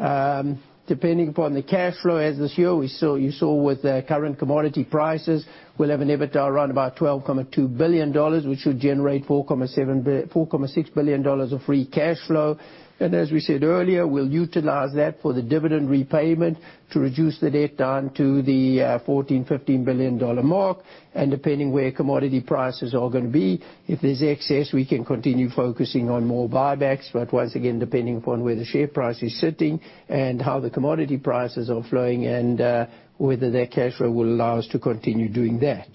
billion. Depending upon the cash flow as this year, you saw with the current commodity prices, we'll have an EBITDA around about $12.2 billion, which should generate $4.6 billion of free cash flow. As we said earlier, we'll utilize that for the dividend repayment to reduce the debt down to the $14 billion-$15 billion mark, depending where commodity prices are going to be, if there's excess, we can continue focusing on more buybacks. Once again, depending upon where the share price is sitting and how the commodity prices are flowing and whether that cash flow will allow us to continue doing that.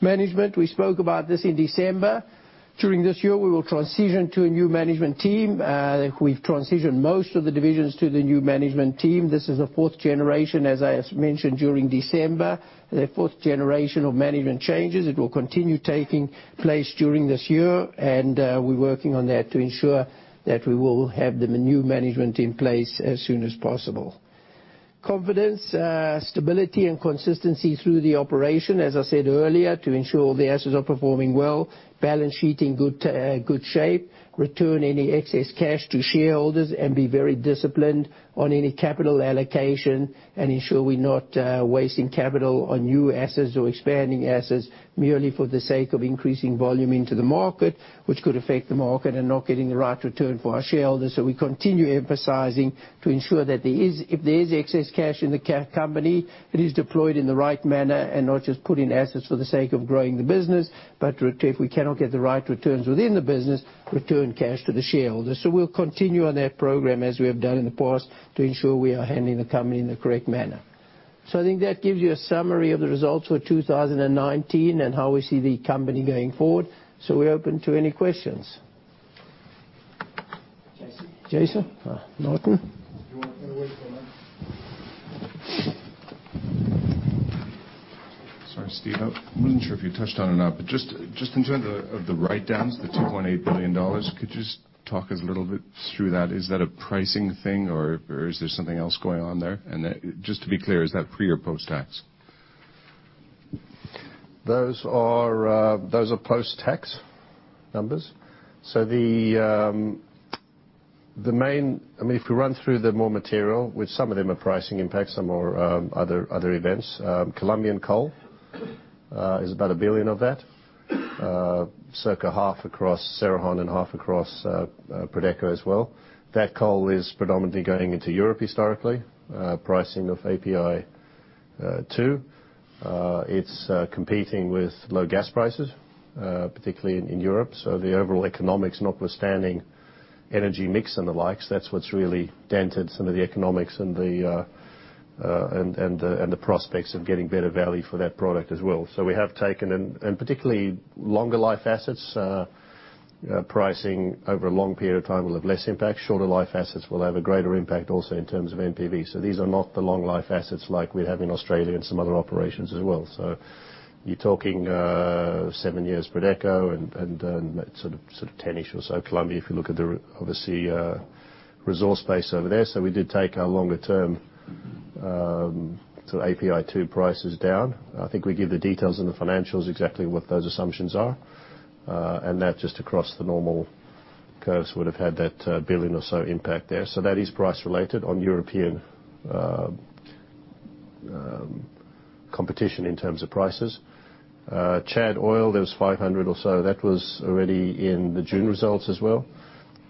Management, we spoke about this in December. During this year, we will transition to a new management team. We've transitioned most of the divisions to the new management team. This is the fourth generation, as I mentioned, during December, the fourth generation of management changes. It will continue taking place during this year, and we're working on that to ensure that we will have the new management in place as soon as possible. Confidence, stability, and consistency through the operation, as I said earlier, to ensure the assets are performing well, balance sheet in good shape, return any excess cash to shareholders, and be very disciplined on any capital allocation and ensure we're not wasting capital on new assets or expanding assets merely for the sake of increasing volume into the market, which could affect the market and not getting the right return for our shareholders. We continue emphasizing to ensure that if there is excess cash in the company, it is deployed in the right manner and not just put in assets for the sake of growing the business. If we cannot get the right returns within the business, return cash to the shareholders. We'll continue on that program as we have done in the past to ensure we are handling the company in the correct manner. I think that gives you a summary of the results for 2019 and how we see the company going forward. We're open to any questions. Jason. Jason? Martin? If you want to get away from that.
Sorry, Steve, I wasn't sure if you touched on or not, but just in terms of the write-downs, the $2.8 billion, could you just talk us a little bit through that? Is that a pricing thing or is there something else going on there? Just to be clear, is that pre or post-tax?
Those are post-tax numbers. If we run through the more material, which some of them are pricing impacts, some are other events. Colombian coal is about $1 billion of that, circa half across Cerrejón and half across Prodeco as well. That coal is predominantly going into Europe historically, pricing of API2. It's competing with low gas prices, particularly in Europe. The overall economics, notwithstanding energy mix and the likes, that's what's really dented some of the economics and the prospects of getting better value for that product as well. We have taken, and particularly longer life assets, pricing over a long period of time will have less impact. Shorter life assets will have a greater impact also in terms of NPV. These are not the long life assets like we have in Australia and some other operations as well. You're talking seven years Prodeco and sort of 10-ish or so Colombia, if you look at the, obviously, resource base over there. We did take our longer term to API2 prices down. I think we give the details on the financials, exactly what those assumptions are. That just across the normal curves would have had that $1 billion or so impact there. That is price related on European competition in terms of prices. Chad oil, there was 500 or so. That was already in the June results as well.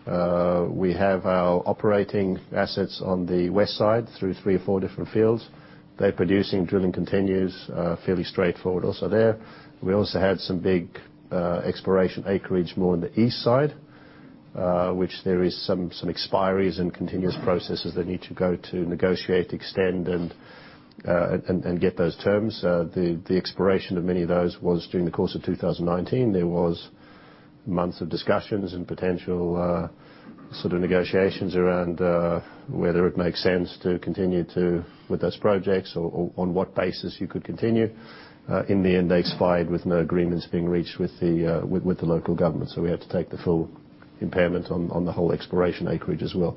We have our operating assets on the west side through three or four different fields. They're producing, drilling continues, fairly straightforward also there. We also had some big exploration acreage more on the east side, which there is some expiries and continuous processes that need to go to negotiate, extend, and get those terms. The expiration of many of those was during the course of 2019. There was months of discussions and potential negotiations around whether it makes sense to continue with those projects or on what basis you could continue. In the end, they expired with no agreements being reached with the local government. We had to take the full impairment on the whole exploration acreage as well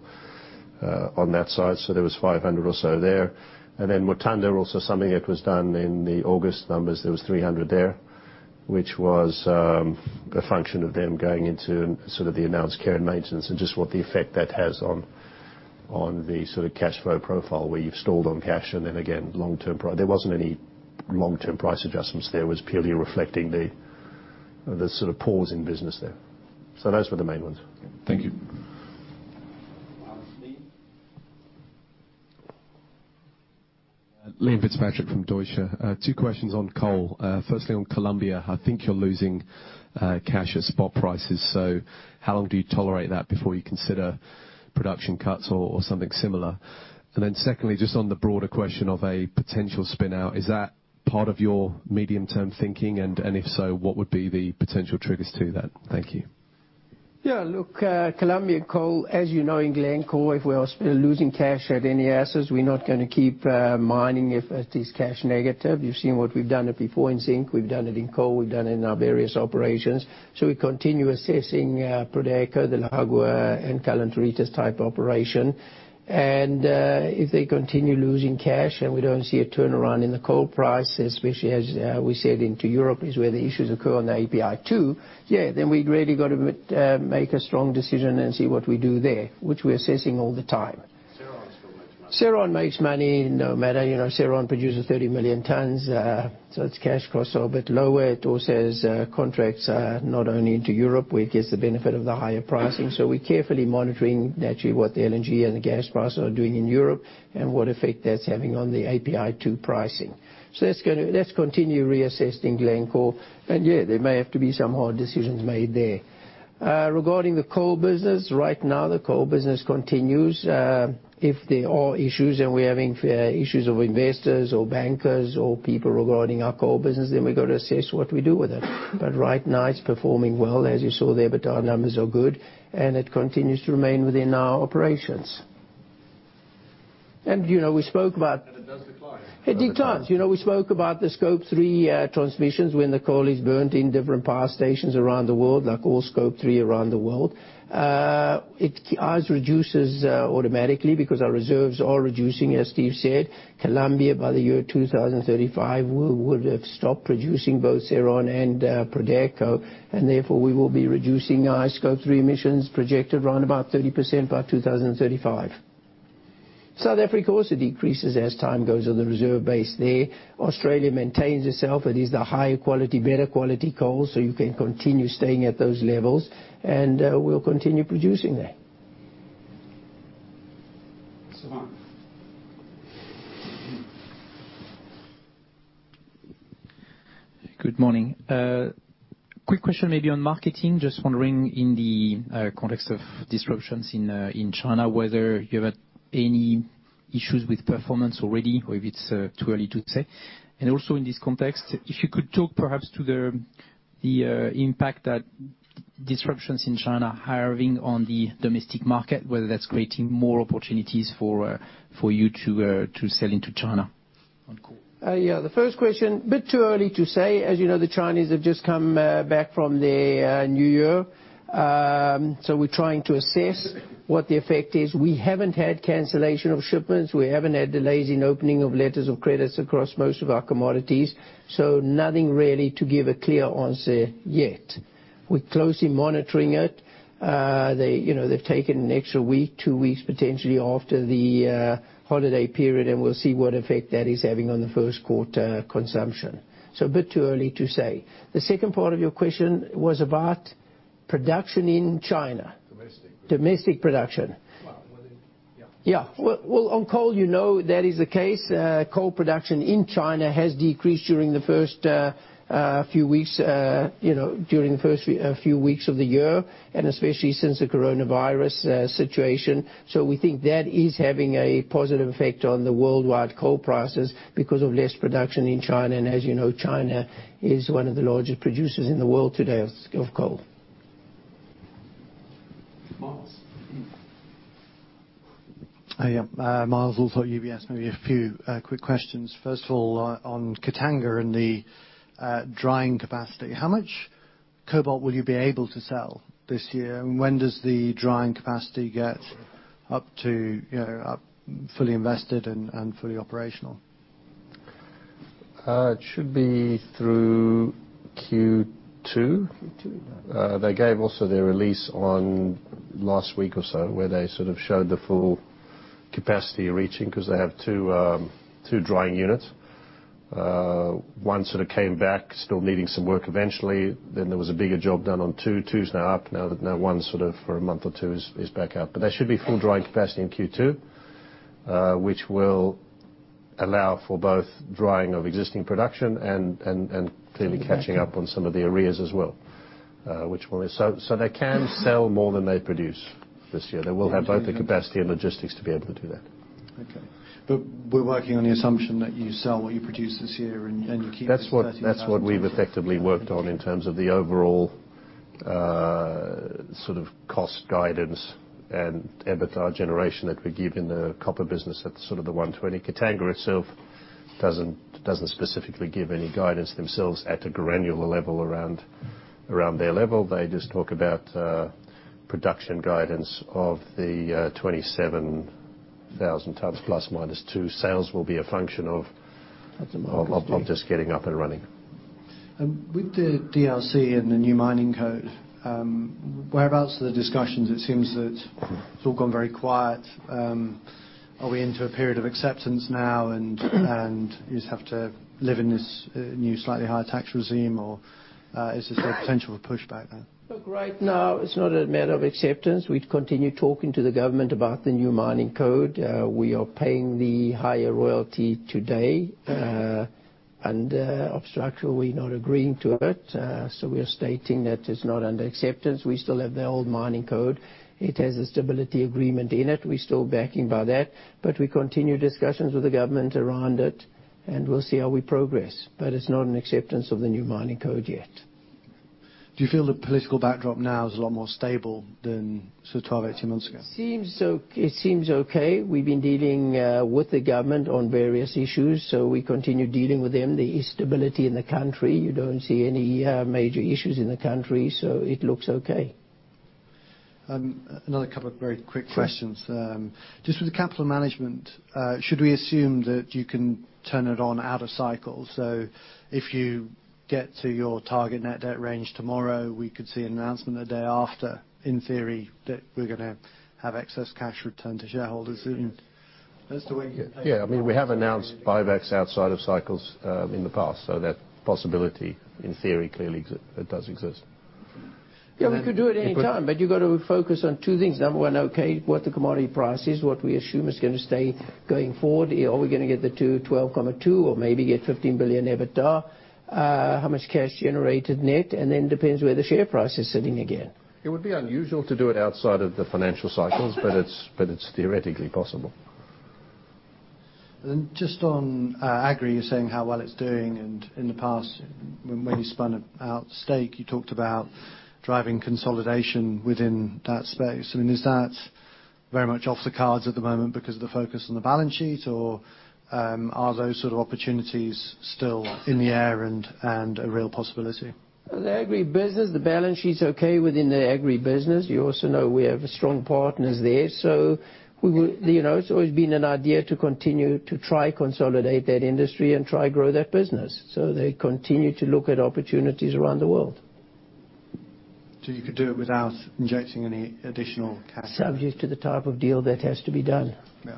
on that side. There was $500 or so there. Mutanda also something that was done in the August numbers. There was $300 there, which was a function of them going into the announced care and maintenance and just what the effect that has on the cash flow profile where you've stalled on cash and then again, there wasn't any long-term price adjustments there. It was purely reflecting the pause in business there. Those were the main ones.
Thank you.
Lee?
Lee Fitzpatrick from Deutsche. Two questions on coal. Firstly, on Colombia, I think you're losing cash at spot prices. How long do you tolerate that before you consider Production cuts or something similar. Secondly, just on the broader question of a potential spin-out, is that part of your medium-term thinking? If so, what would be the potential triggers to that? Thank you.
Yeah. Look, Colombia Coal, as you know, in Glencore, if we are losing cash at any assets, we're not going to keep mining if it is cash negative. You've seen what we've done before in zinc. We've done it in coal. We've done it in our various operations. We continue assessing Prodeco, La Jagua, and Calenturitas-type operation. If they continue losing cash and we don't see a turnaround in the coal price, especially as we said into Europe, is where the issues occur on the API2, yeah, then we'd really got to make a strong decision and see what we do there, which we are assessing all the time.
Cerrejón still makes money.
Cerrejón makes money no matter. Cerrejón produces 30 million tonnes, so its cash costs are a bit lower. It also has contracts not only into Europe, where it gets the benefit of the higher pricing. We're carefully monitoring naturally what the LNG and the gas prices are doing in Europe and what effect that's having on the API2 pricing. That's going to continue reassessing Glencore. Yeah, there may have to be some hard decisions made there. Regarding the coal business, right now, the coal business continues. If there are issues and we're having issues of investors or bankers or people regarding our coal business, then we've got to assess what we do with it. Right now, it's performing well. As you saw there, the USD numbers are good, and it continues to remain within our operations. We spoke about-
It does decline.
It declines. We spoke about the Scope 3 emissions when the coal is burnt in different power stations around the world, like all Scope 3 around the world. It ours reduces automatically because our reserves are reducing, as Steve said. Colombia, by the year 2035, would have stopped producing both Cerrejón and Prodeco, and therefore we will be reducing our Scope 3 emissions projected around about 30% by 2035. South Africa also decreases as time goes on the reserve base there. Australia maintains itself. It is the higher quality, better quality coal, so you can continue staying at those levels, and we'll continue producing there.
Savan.
Good morning. Quick question maybe on marketing. Just wondering in the context of disruptions in China, whether you've had any issues with performance already or if it's too early to say. Also, in this context, if you could talk perhaps to the impact that disruptions in China are having on the domestic market, whether that's creating more opportunities for you to sell into China on call.
Yeah, the first question, a bit too early to say. As you know, the Chinese have just come back from their New Year. We're trying to assess what the effect is. We haven't had cancellation of shipments. We haven't had delays in opening of letters of credit across most of our commodities. Nothing really to give a clear answer yet. We're closely monitoring it. They've taken an extra week, two weeks, potentially, after the holiday period, and we'll see what effect that is having on the first quarter consumption. A bit too early to say. The second part of your question was about production in China.
Domestic.
Domestic production.
Well, yeah.
Well, on coal, you know that is the case. Coal production in China has decreased during the first few weeks of the year. Especially since the coronavirus situation. We think that is having a positive effect on the worldwide coal prices because of less production in China. As you know, China is one of the largest producers in the world today of coal.
Myles.
Yeah. Myles, for UBS. Maybe a few quick questions. First of all, on Katanga and the drying capacity, how much cobalt will you be able to sell this year? When does the drying capacity get up to fully invested and fully operational?
It should be through Q2.
Q2.
They gave also their release on last week or so where they sort of showed the full capacity reaching because they have two drying units. One sort of came back, still needing some work eventually. There was a bigger job done on two. Two is now up, now one sort of for a month or two is back up. They should be full drying capacity in Q2, which will allow for both drying of existing production and clearly catching up on some of the arrears as well. They can sell more than they produce this year. They will have both the capacity and logistics to be able to do that.
Okay. We're working on the assumption that you sell what you produce this year and you keep the 30,000 tons.
That's what we've effectively worked on in terms of the overall sort of cost guidance and EBITDA generation that we give in the copper business at sort of the $120. Katanga itself doesn't specifically give any guidance themselves at a granular level around their level. They just talk about production guidance of the 27,000 tons, ±2. Sales will be a function of-
At the market's peak.
of just getting up and running.
With the D.R.C. and the new mining code, whereabouts are the discussions? It seems that it is all gone very quiet. Are we into a period of acceptance now and you just have to live in this new, slightly higher tax regime, or is there potential for pushback then?
Look, right now, it's not a matter of acceptance. We continue talking to the government about the new mining code. We are paying the higher royalty today.
Okay.
Under obstruction, we're not agreeing to it. We are stating that it's not under acceptance. We still have the old mining code. It has a stability agreement in it. We're still backing by that. We continue discussions with the government around it, and we'll see how we progress. It's not an acceptance of the new mining code yet.
Do you feel the political backdrop now is a lot more stable than sort of 12, 18 months ago?
It seems okay. We've been dealing with the government on various issues, so we continue dealing with them. There is stability in the country. You don't see any major issues in the country, so it looks okay.
Another couple of very quick questions.
Sure.
Just with the capital management, should we assume that you can turn it on out of cycle? So if you get to your target net debt range tomorrow, we could see an announcement the day after, in theory, that we're going to have excess cash return to shareholders soon? That's the way-
Yeah, we have announced buybacks outside of cycles in the past. That possibility, in theory, clearly it does exist.
We could do it any time, you got to focus on two things. Number one, okay, what the commodity price is, what we assume is going to stay going forward. Are we going to get the $12.2 or maybe get $15 billion EBITDA? How much cash generated net? Depends where the share price is sitting again.
It would be unusual to do it outside of the financial cycles, but it's theoretically possible.
Just on agri, you're saying how well it's doing. In the past, when you spun out stake, you talked about driving consolidation within that space. I mean, is that very much off the cards at the moment because of the focus on the balance sheet, or are those sort of opportunities still in the air and a real possibility?
The agri business, the balance sheet's okay within the agri business. You also know we have strong partners there. It's always been an idea to continue to try consolidate that industry and try grow that business. They continue to look at opportunities around the world.
You could do it without injecting any additional cash.
Subject to the type of deal that has to be done.
Yeah.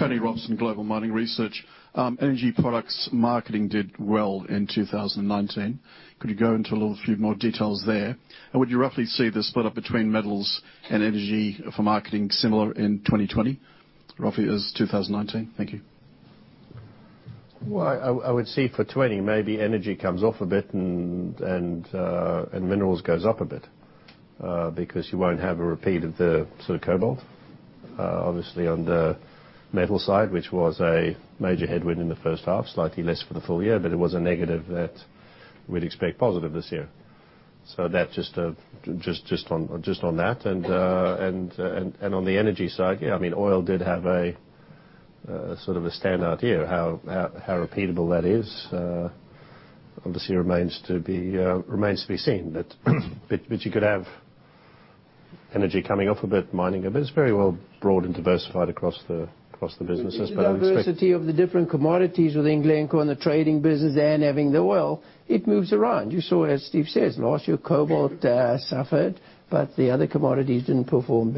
Okay.
Thank you. Tony Robson, Global Mining Research. Energy products marketing did well in 2019. Could you go into a little few more details there? Would you roughly say the plit up between metals and energy for marketing similar in 2020, roughly as 2019? Thank you.
Well, I would say for 2020, maybe energy comes off a bit and minerals goes up a bit, because you won't have a repeat of the sort of cobalt, obviously, on the metal side, which was a major headwind in the first half, slightly less for the full year, but it was a negative that we'd expect positive this year. Just on that and on the energy side, yeah, oil did have a sort of a standout year. How repeatable that is obviously remains to be seen. You could have energy coming off a bit, mining a bit. It's very well broad and diversified across the businesses, but I would expect.
The diversity of the different commodities within Glencore and the trading business and having the oil, it moves around. You saw, as Steve says, last year, cobalt suffered, but the other commodities didn't perform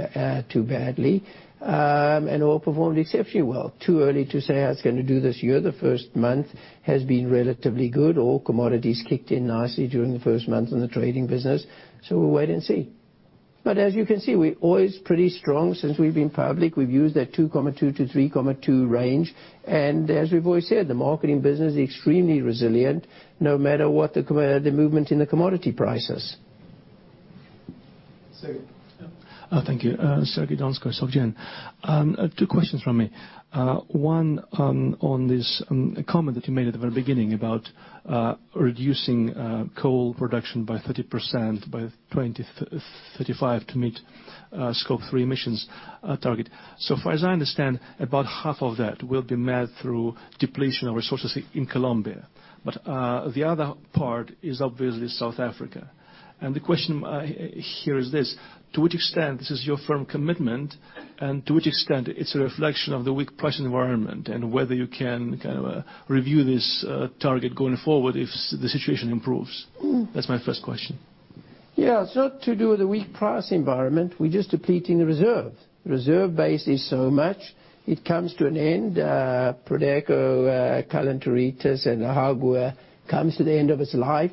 too badly. Oil performed exceptionally well. Too early to say how it's going to do this year. The first month has been relatively good. All commodities kicked in nicely during the first month in the trading business, so we'll wait and see. As you can see, oil is pretty strong. Since we've been public, we've used that 2.2 to 3.2 range. As we've always said, the marketing business is extremely resilient no matter what the movement in the commodity price is.
Sergey.
Thank you. Sergey Donskoy, Societe Generale. Two questions from me. One on this comment that you made at the very beginning about reducing coal production by 30% by 2035 to meet Scope 3 emissions target. Far as I understand, about half of that will be met through depletion of resources in Colombia. The other part is obviously South Africa. The question here is this, to what extent this is your firm commitment, and to what extent it's a reflection of the weak price environment and whether you can kind of review this target going forward if the situation improves? That's my first question.
Yeah, it's not to do with the weak price environment. We're just depleting the reserve. The reserve base is so much, it comes to an end. Prodeco, Calenturitas, and La Jagua comes to the end of its life.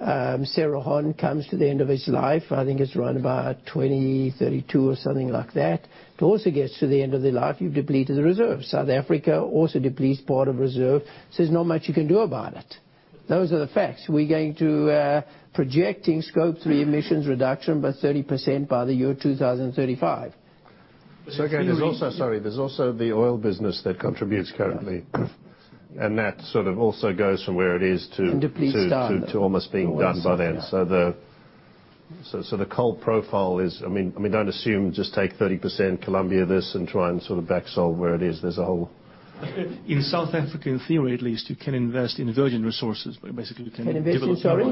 Cerrejón comes to the end of its life. I think it's around about 2032 or something like that. It also gets to the end of the life, you've depleted the reserve. South Africa also depletes part of reserve. There's not much you can do about it. Those are the facts. We're going to projecting Scope 3 emissions reduction by 30% by the year 2035.
Sergey, Sorry, there's also the oil business that contributes currently.
Yeah.
That sort of also goes from where it is.
depletes down.
to almost being done by then. The coal profile is, don't assume just take 30% Colombia this and try and sort of back solve where it is. There's a whole.
In South Africa, in theory at least, you can invest in virgin resources, but basically.
Can invest in, sorry?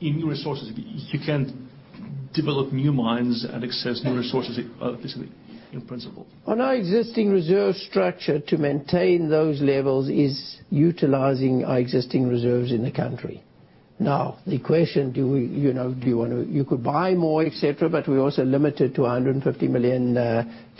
In resources, you can develop new mines and access new resources, basically, in principle.
On our existing reserve structure to maintain those levels is utilizing our existing reserves in the country. The question, you could buy more, et cetera, but we're also limited to 150 million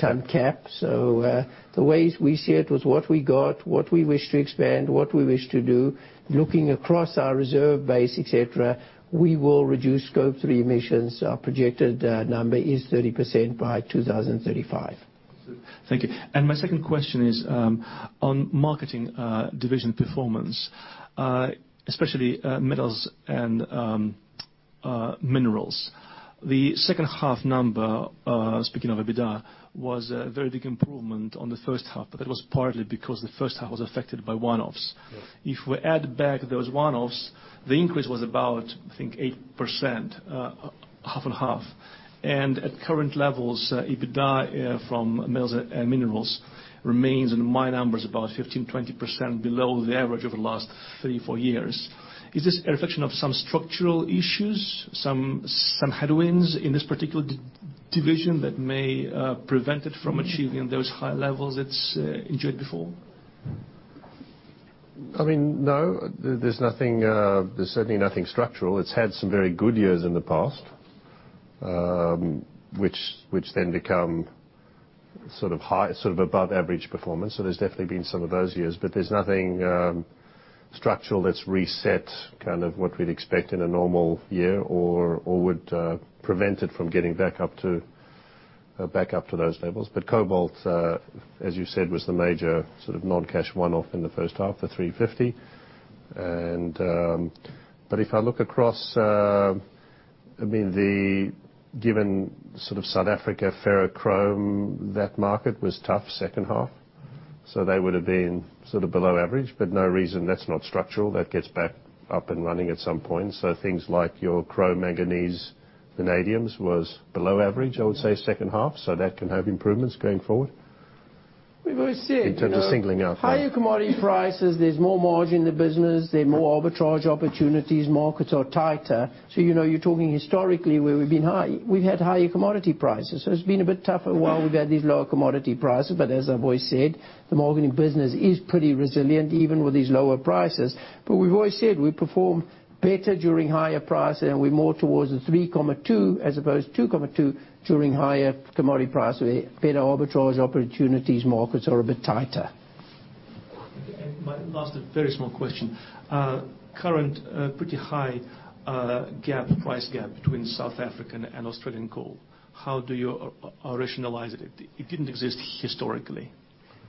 ton cap. The ways we see it was what we got, what we wish to expand, what we wish to do, looking across our reserve base, et cetera, we will reduce Scope 3 emissions. Our projected number is 30% by 2035.
Thank you. My second question is on marketing division performance, especially metals and minerals. The second half number, speaking of EBITDA, was a very big improvement on the first half, but that was partly because the first half was affected by one-offs.
Yes.
If we add back those one-offs, the increase was about, I think, 8%, half and half. At current levels, EBITDA from metals and minerals remains in my numbers about 15%-20% below the average over the last three-four years. Is this a reflection of some structural issues, some headwinds in this particular division that may prevent it from achieving those high levels it's enjoyed before?
No, there's certainly nothing structural. It's had some very good years in the past which then become sort of above average performance. There's definitely been some of those years. There's nothing structural that's reset what we'd expect in a normal year or would prevent it from getting back up to those levels. Cobalt, as you said, was the major non-cash one-off in the first half, the $350. If I look across, given South Africa, Ferrochrome, that market was tough second half, so they would've been below average, but no reason. That's not structural. That gets back up and running at some point. Things like your chrome, manganese, vanadiums was below average, I would say, second half. That can have improvements going forward.
We've always said.
In terms of singling out.
Higher commodity prices, there's more margin in the business. There's more arbitrage opportunities. Markets are tighter. You're talking historically where we've been high. We've had higher commodity prices. It's been a bit tougher while we've had these lower commodity prices. As I've always said, the marketing business is pretty resilient, even with these lower prices. We've always said we perform better during higher prices, and we're more towards the 3.2 as opposed to 2.2 during higher commodity prices, where better arbitrage opportunities, markets are a bit tighter.
Okay. My last and very small question. Current pretty high price gap between South African and Australian coal. How do you rationalize it? It didn't exist historically.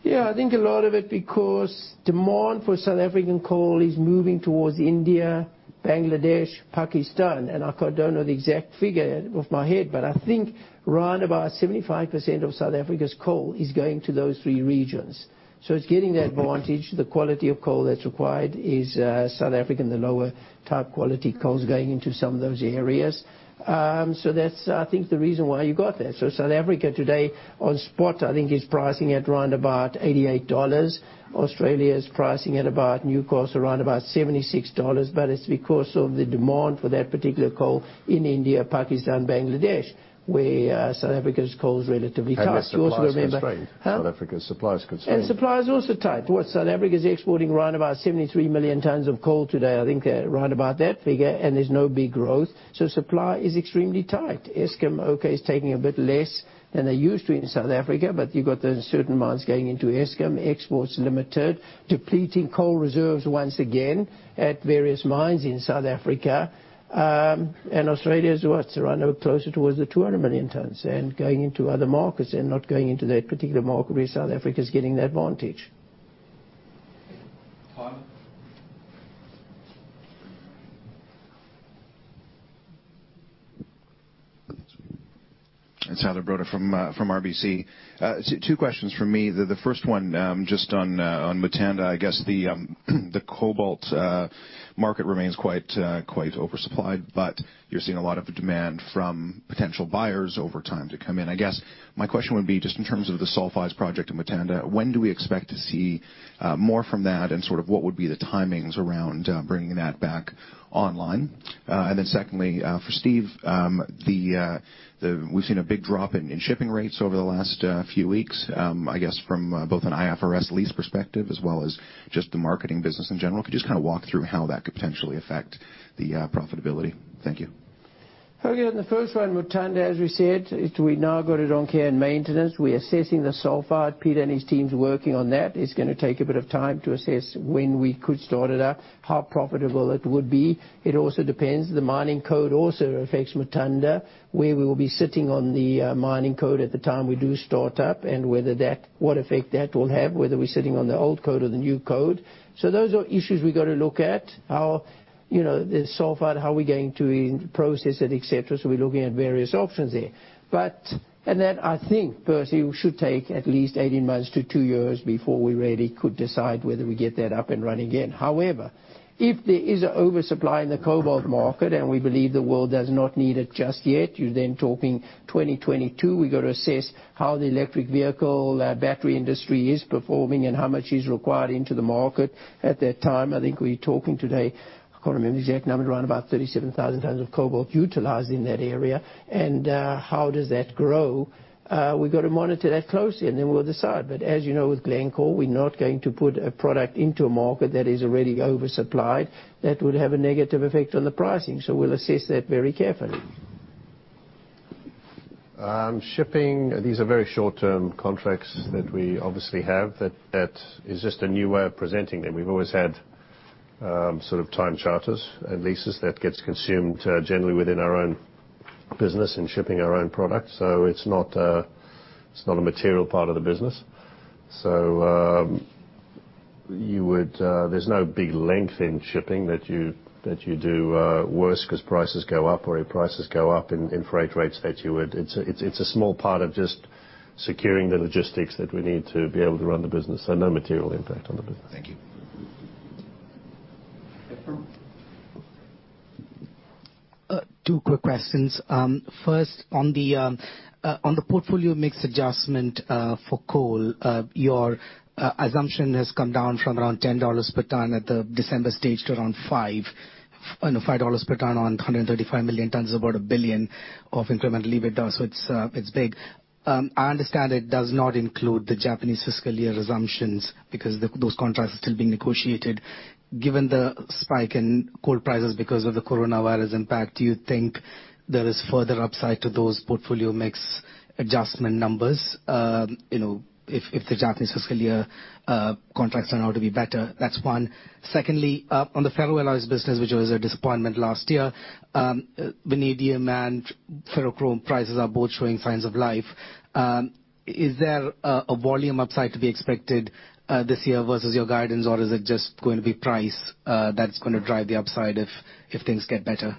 Yeah, I think a lot of it because demand for South African coal is moving towards India, Bangladesh, Pakistan. And I don't know the exact figure off my head, but I think around about 75% of South Africa's coal is going to those three regions. So it's getting that advantage. The quality of coal that's required is South African, the lower type quality coal's going into some of those areas. So that's, I think, the reason why you got that. South Africa today on spot, I think is pricing at around about $88. Australia is pricing at about new cost, around about $76. It's because of the demand for that particular coal in India, Pakistan, Bangladesh, where South Africa's coal's relatively fast. You also remember.
Their supply is constrained.
Huh?
South Africa's supply is constrained.
Supply is also tight. What South Africa is exporting around about 73 million tons of coal today, I think around about that figure. There's no big growth. Supply is extremely tight. Eskom, okay, is taking a bit less than they used to in South Africa. You've got those certain mines going into Eskom, exports limited, depleting coal reserves once again at various mines in South Africa. Australia's, what, around closer towards the 200 million tons and going into other markets and not going into that particular market where South Africa's getting the advantage.
Tyler.
It's Tyler Broda from RBC. Two questions from me. The first one just on Mutanda. I guess the cobalt market remains quite oversupplied, you're seeing a lot of demand from potential buyers over time to come in. I guess my question would be just in terms of the sulfides project in Mutanda, when do we expect to see more from that and sort of what would be the timings around bringing that back online? Secondly, for Steve, we've seen a big drop in shipping rates over the last few weeks, I guess from both an IFRS lease perspective as well as just the marketing business in general. Could you just walk through how that could potentially affect the profitability? Thank you.
Okay. On the first one, Mutanda, as we said, we now got it on care and maintenance. We assessing the sulfide. Peter and his team's working on that. It's going to take a bit of time to assess when we could start it up, how profitable it would be. It also depends, the mining code also affects Mutanda, where we will be sitting on the mining code at the time we do start up and what effect that will have, whether we're sitting on the old code or the new code. Those are issues we got to look at. The sulfide, how we going to process it, et cetera. We're looking at various options there. That, I think, Percy, should take at least 18 months to two years before we really could decide whether we get that up and running again. If there is an oversupply in the cobalt market, and we believe the world does not need it just yet, you're then talking 2022. We got to assess how the electric vehicle battery industry is performing and how much is required into the market at that time. I think we're talking today, I can't remember the exact number, around about 37,000 tons of cobalt utilized in that area. How does that grow? We got to monitor that closely, and then we'll decide. As you know, with Glencore, we're not going to put a product into a market that is already oversupplied. That would have a negative effect on the pricing. We'll assess that very carefully.
Shipping, these are very short-term contracts that we obviously have. That is just a new way of presenting them. We've always had Sort of time charters and leases that gets consumed generally within our own business and shipping our own products. It's not a material part of the business. There's no big length in shipping that you do worse because prices go up or if prices go up and freight rates. It's a small part of just securing the logistics that we need to be able to run the business. No material impact on the business.
Thank you.
Ephrem.
Two quick questions. First, on the portfolio mix adjustment, for coal, your assumption has come down from around $10 per ton at the December stage to around $5 per ton on 135 million tons, about $1 billion of incremental EBITDA. It's big. I understand it does not include the Japanese fiscal year assumptions because those contracts are still being negotiated. Given the spike in coal prices because of the coronavirus impact, do you think there is further upside to those portfolio mix adjustment numbers, if the Japanese fiscal year contracts turn out to be better? That's one. Secondly, on the ferroalloys business, which was a disappointment last year, vanadium and ferrochrome prices are both showing signs of life. Is there a volume upside to be expected this year versus your guidance or is it just going to be price that's going to drive the upside if things get better?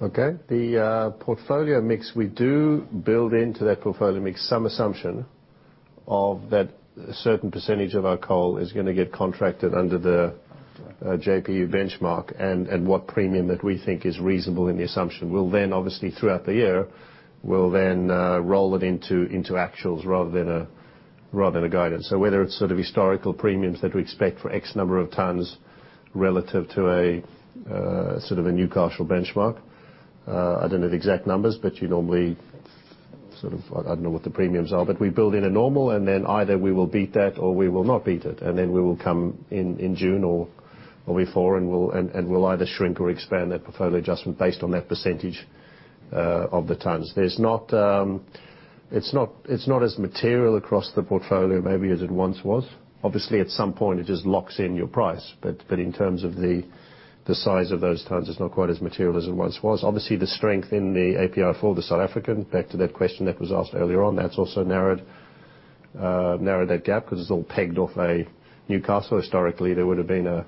Okay. The portfolio mix, we do build into that portfolio mix some assumption of that a certain percentage of our coal is going to get contracted under the JPU benchmark and what premium that we think is reasonable in the assumption. We'll, obviously, throughout the year, roll it into actuals rather than a guidance. Whether it's sort of historical premiums that we expect for X number of tons relative to a sort of a Newcastle Coal benchmark. I don't know the exact numbers, you normally I don't know what the premiums are. We build in a normal either we will beat that or we will not beat it. We will come in June or before and we'll either shrink or expand that portfolio adjustment based on that percentage of the tons. It's not as material across the portfolio maybe as it once was. Obviously, at some point it just locks in your price. In terms of the size of those tons, it's not quite as material as it once was. Obviously, the strength in the API4, the South African, back to that question that was asked earlier on, that's also narrowed that gap because it's all pegged off a Newcastle. Historically, there would have been a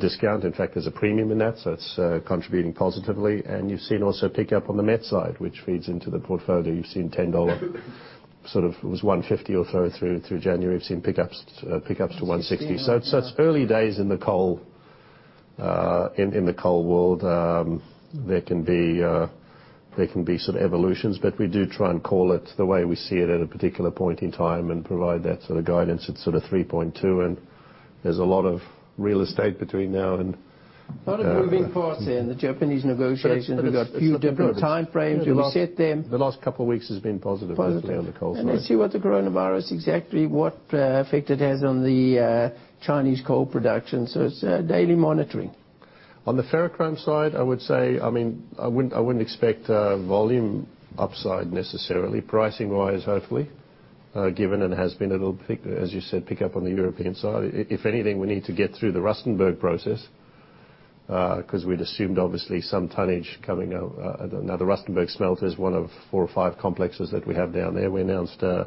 discount. In fact, there's a premium in that. It's contributing positively. You've seen also pick up on the met side, which feeds into the portfolio. You've seen $10, sort of it was $150 or so through January. We've seen pickups to $160. It's early days in the coal world. There can be sort of evolutions, but we do try and call it the way we see it at a particular point in time and provide that sort of guidance. It's sort of 3.2 and there's a lot of real estate between now and.
A lot of moving parts in the Japanese negotiations.
But it's-
We've got a few different time frames. You reset them.
The last couple of weeks has been positive, basically, on the coal side.
Let's see what the coronavirus, exactly what effect it has on the Chinese coal production. It's daily monitoring.
On the ferrochrome side, I would say, I wouldn't expect volume upside necessarily. Pricing wise, hopefully, given has been a little, as you said, pick up on the European side. If anything, we need to get through the Rustenburg process, we'd assumed obviously some tonnage coming out. The Rustenburg smelter is one of four or five complexes that we have down there. We announced, I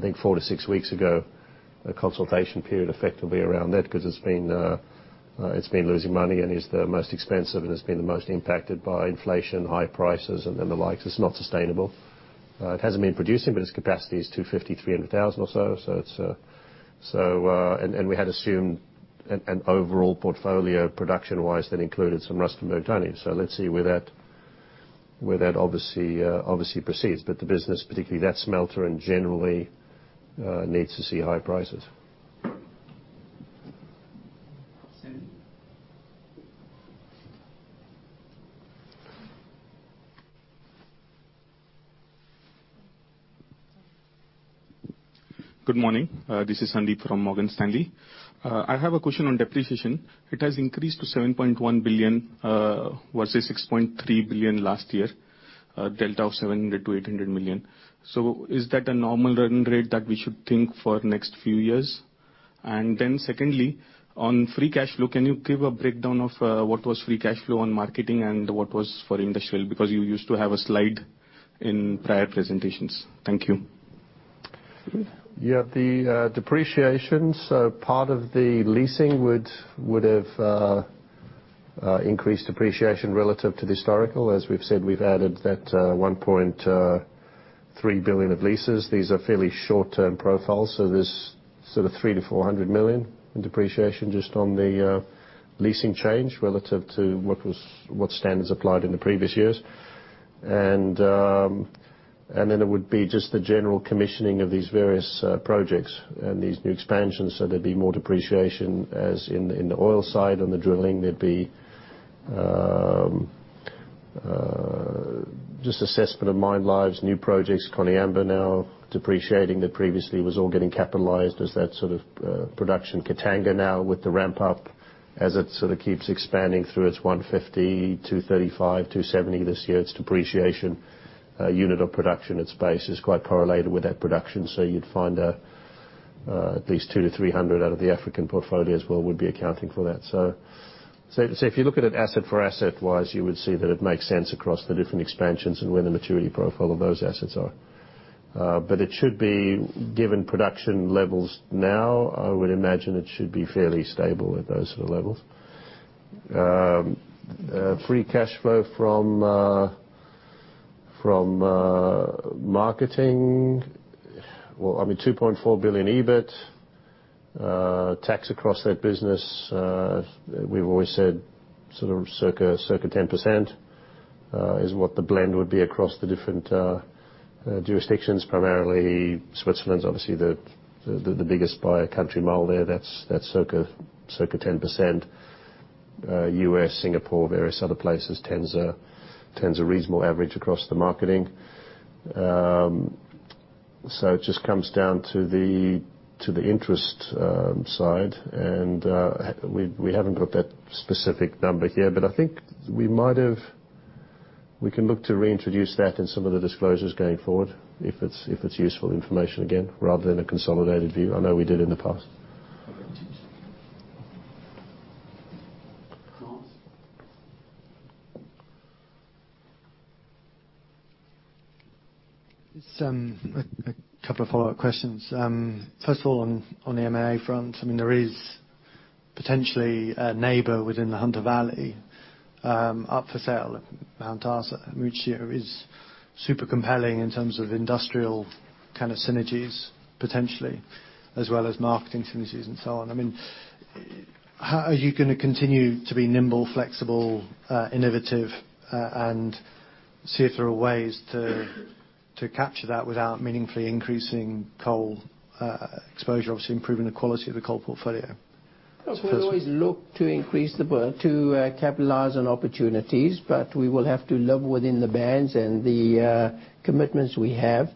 think four to six weeks ago, a consultation period effectively around that it's been losing money and is the most expensive and has been the most impacted by inflation, high prices, and the like. It's not sustainable. It hasn't been producing, its capacity is 250,000, 300,000 or so. We had assumed an overall portfolio production-wise that included some Rustenburg tonnage. Let's see where that obviously proceeds. The business, particularly that smelter and generally, needs to see high prices.
Sandeep.
Good morning. This is Sandeep from Morgan Stanley. I have a question on depreciation. It has increased to $7.1 billion, versus $6.3 billion last year. A delta of $700 million-$800 million. Is that a normal run rate that we should think for next few years? Secondly, on free cash flow, can you give a breakdown of what was free cash flow on marketing and what was for industrial? Because you used to have a slide in prior presentations. Thank you.
The depreciation, part of the leasing would have increased depreciation relative to the historical. As we've said, we've added that $1.3 billion of leases. These are fairly short-term profiles, there's sort of $300 million to $400 million in depreciation just on the leasing change relative to what standards applied in the previous years. It would be just the general commissioning of these various projects and these new expansions. There'd be more depreciation as in the oil side, on the drilling. There'd be just assessment of mine lives, new projects, Koniambo now depreciating that previously was all getting capitalized as that sort of production. Katanga now with the ramp up. As it sort of keeps expanding through its 150, 235, 270 this year, its depreciation unit of production, its base is quite correlated with that production. You'd find at least 200 to 300 out of the African portfolio as well would be accounting for that. If you look at it asset-for-asset wise, you would see that it makes sense across the different expansions and where the maturity profile of those assets are. It should be, given production levels now, I would imagine it should be fairly stable at those sort of levels. Free cash flow from marketing, well, I mean, $2.4 billion EBIT. Tax across that business, we've always said sort of circa 10% is what the blend would be across the different jurisdictions. Primarily Switzerland's obviously the biggest by country mile there. That's circa 10%. U.S., Singapore, various other places tends a reasonable average across the marketing. It just comes down to the interest side, and we haven't got that specific number here. I think we can look to reintroduce that in some of the disclosures going forward if it's useful information again, rather than a consolidated view. I know we did in the past.
Myles?
Just a couple of follow-up questions. First of all, on the M&A front, I mean, there is potentially a neighbor within the Hunter Valley up for sale at Mount Arthur, which here is super compelling in terms of industrial kind of synergies potentially, as well as marketing synergies and so on. I mean, how are you going to continue to be nimble, flexible, innovative, and see if there are ways to capture that without meaningfully increasing coal exposure, obviously improving the quality of the coal portfolio?
Of course, we'll always look to capitalize on opportunities, but we will have to live within the bands and the commitments we have.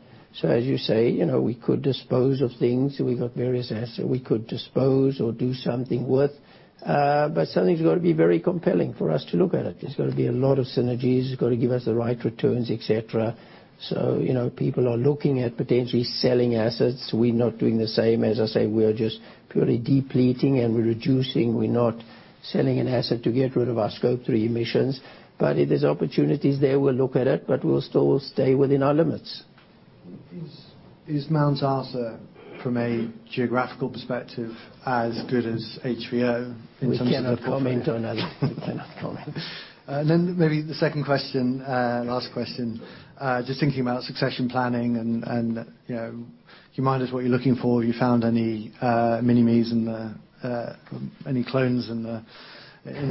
As you say, we could dispose of things. We've got various assets we could dispose or do something with. Something's got to be very compelling for us to look at it. There's got to be a lot of synergies, it's got to give us the right returns, et cetera. People are looking at potentially selling assets. We're not doing the same. As I say, we are just purely depleting, and we're reducing. We're not selling an asset to get rid of our Scope 3 emissions. If there's opportunities there, we'll look at it, but we'll still stay within our limits.
Is Mount Arthur, from a geographical perspective, as good as HVO in terms of?
We cannot comment on that. We cannot comment.
Maybe the second question, last question, just thinking about succession planning and can you remind us what you're looking for? Have you found any mini-mes in the Any clones in the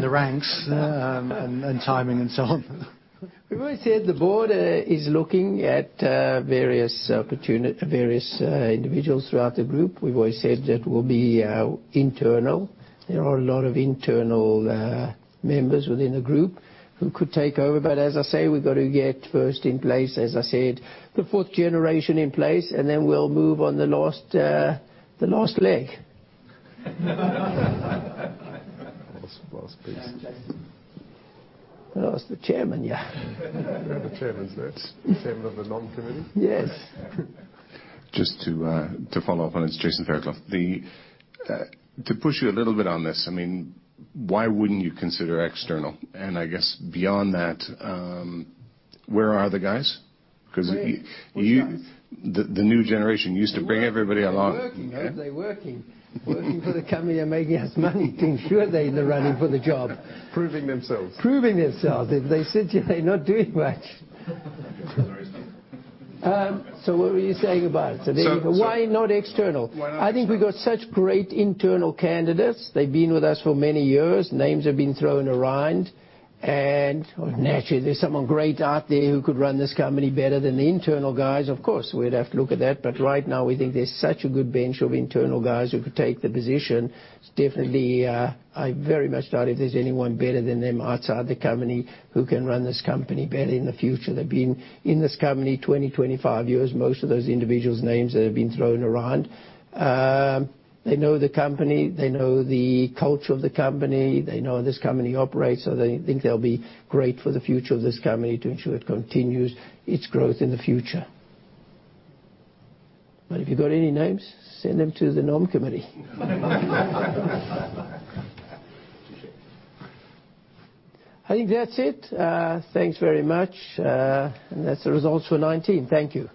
ranks and timing and so on?
We've always said the board is looking at various individuals throughout the group. We've always said that it will be internal. There are a lot of internal members within the group who could take over. As I say, we've got to get first in place, as I said, the fourth generation in place, and then we'll move on the last leg.
Last piece.
That's the chairman, yeah.
We have a chairman, so that's chairman of the nom committee.
Yes.
Just to follow up on it's Jason Fairclough. To push you a little bit on this, I mean, why wouldn't you consider external? I guess beyond that, where are the guys?
Where? Which guys?
The new generation. You used to bring everybody along.
They're working. Working for the company and making us money to ensure they're in the running for the job.
Proving themselves.
Proving themselves. If they sit here, they're not doing much.
Very stable.
What were you saying about it? Why not external?
Why not external?
I think we've got such great internal candidates. They've been with us for many years. Names have been thrown around. Naturally, there's someone great out there who could run this company better than the internal guys. Of course, we'd have to look at that. Right now, we think there's such a good bench of internal guys who could take the position. I very much doubt if there's anyone better than them outside the company who can run this company better in the future. They've been in this company 20, 25 years, most of those individuals' names that have been thrown around. They know the company. They know the culture of the company. They know how this company operates, so I think they'll be great for the future of this company to ensure it continues its growth in the future. If you've got any names, send them to the Nom Committee.
Appreciate it.
I think that's it. Thanks very much. That's the results for 2019. Thank you.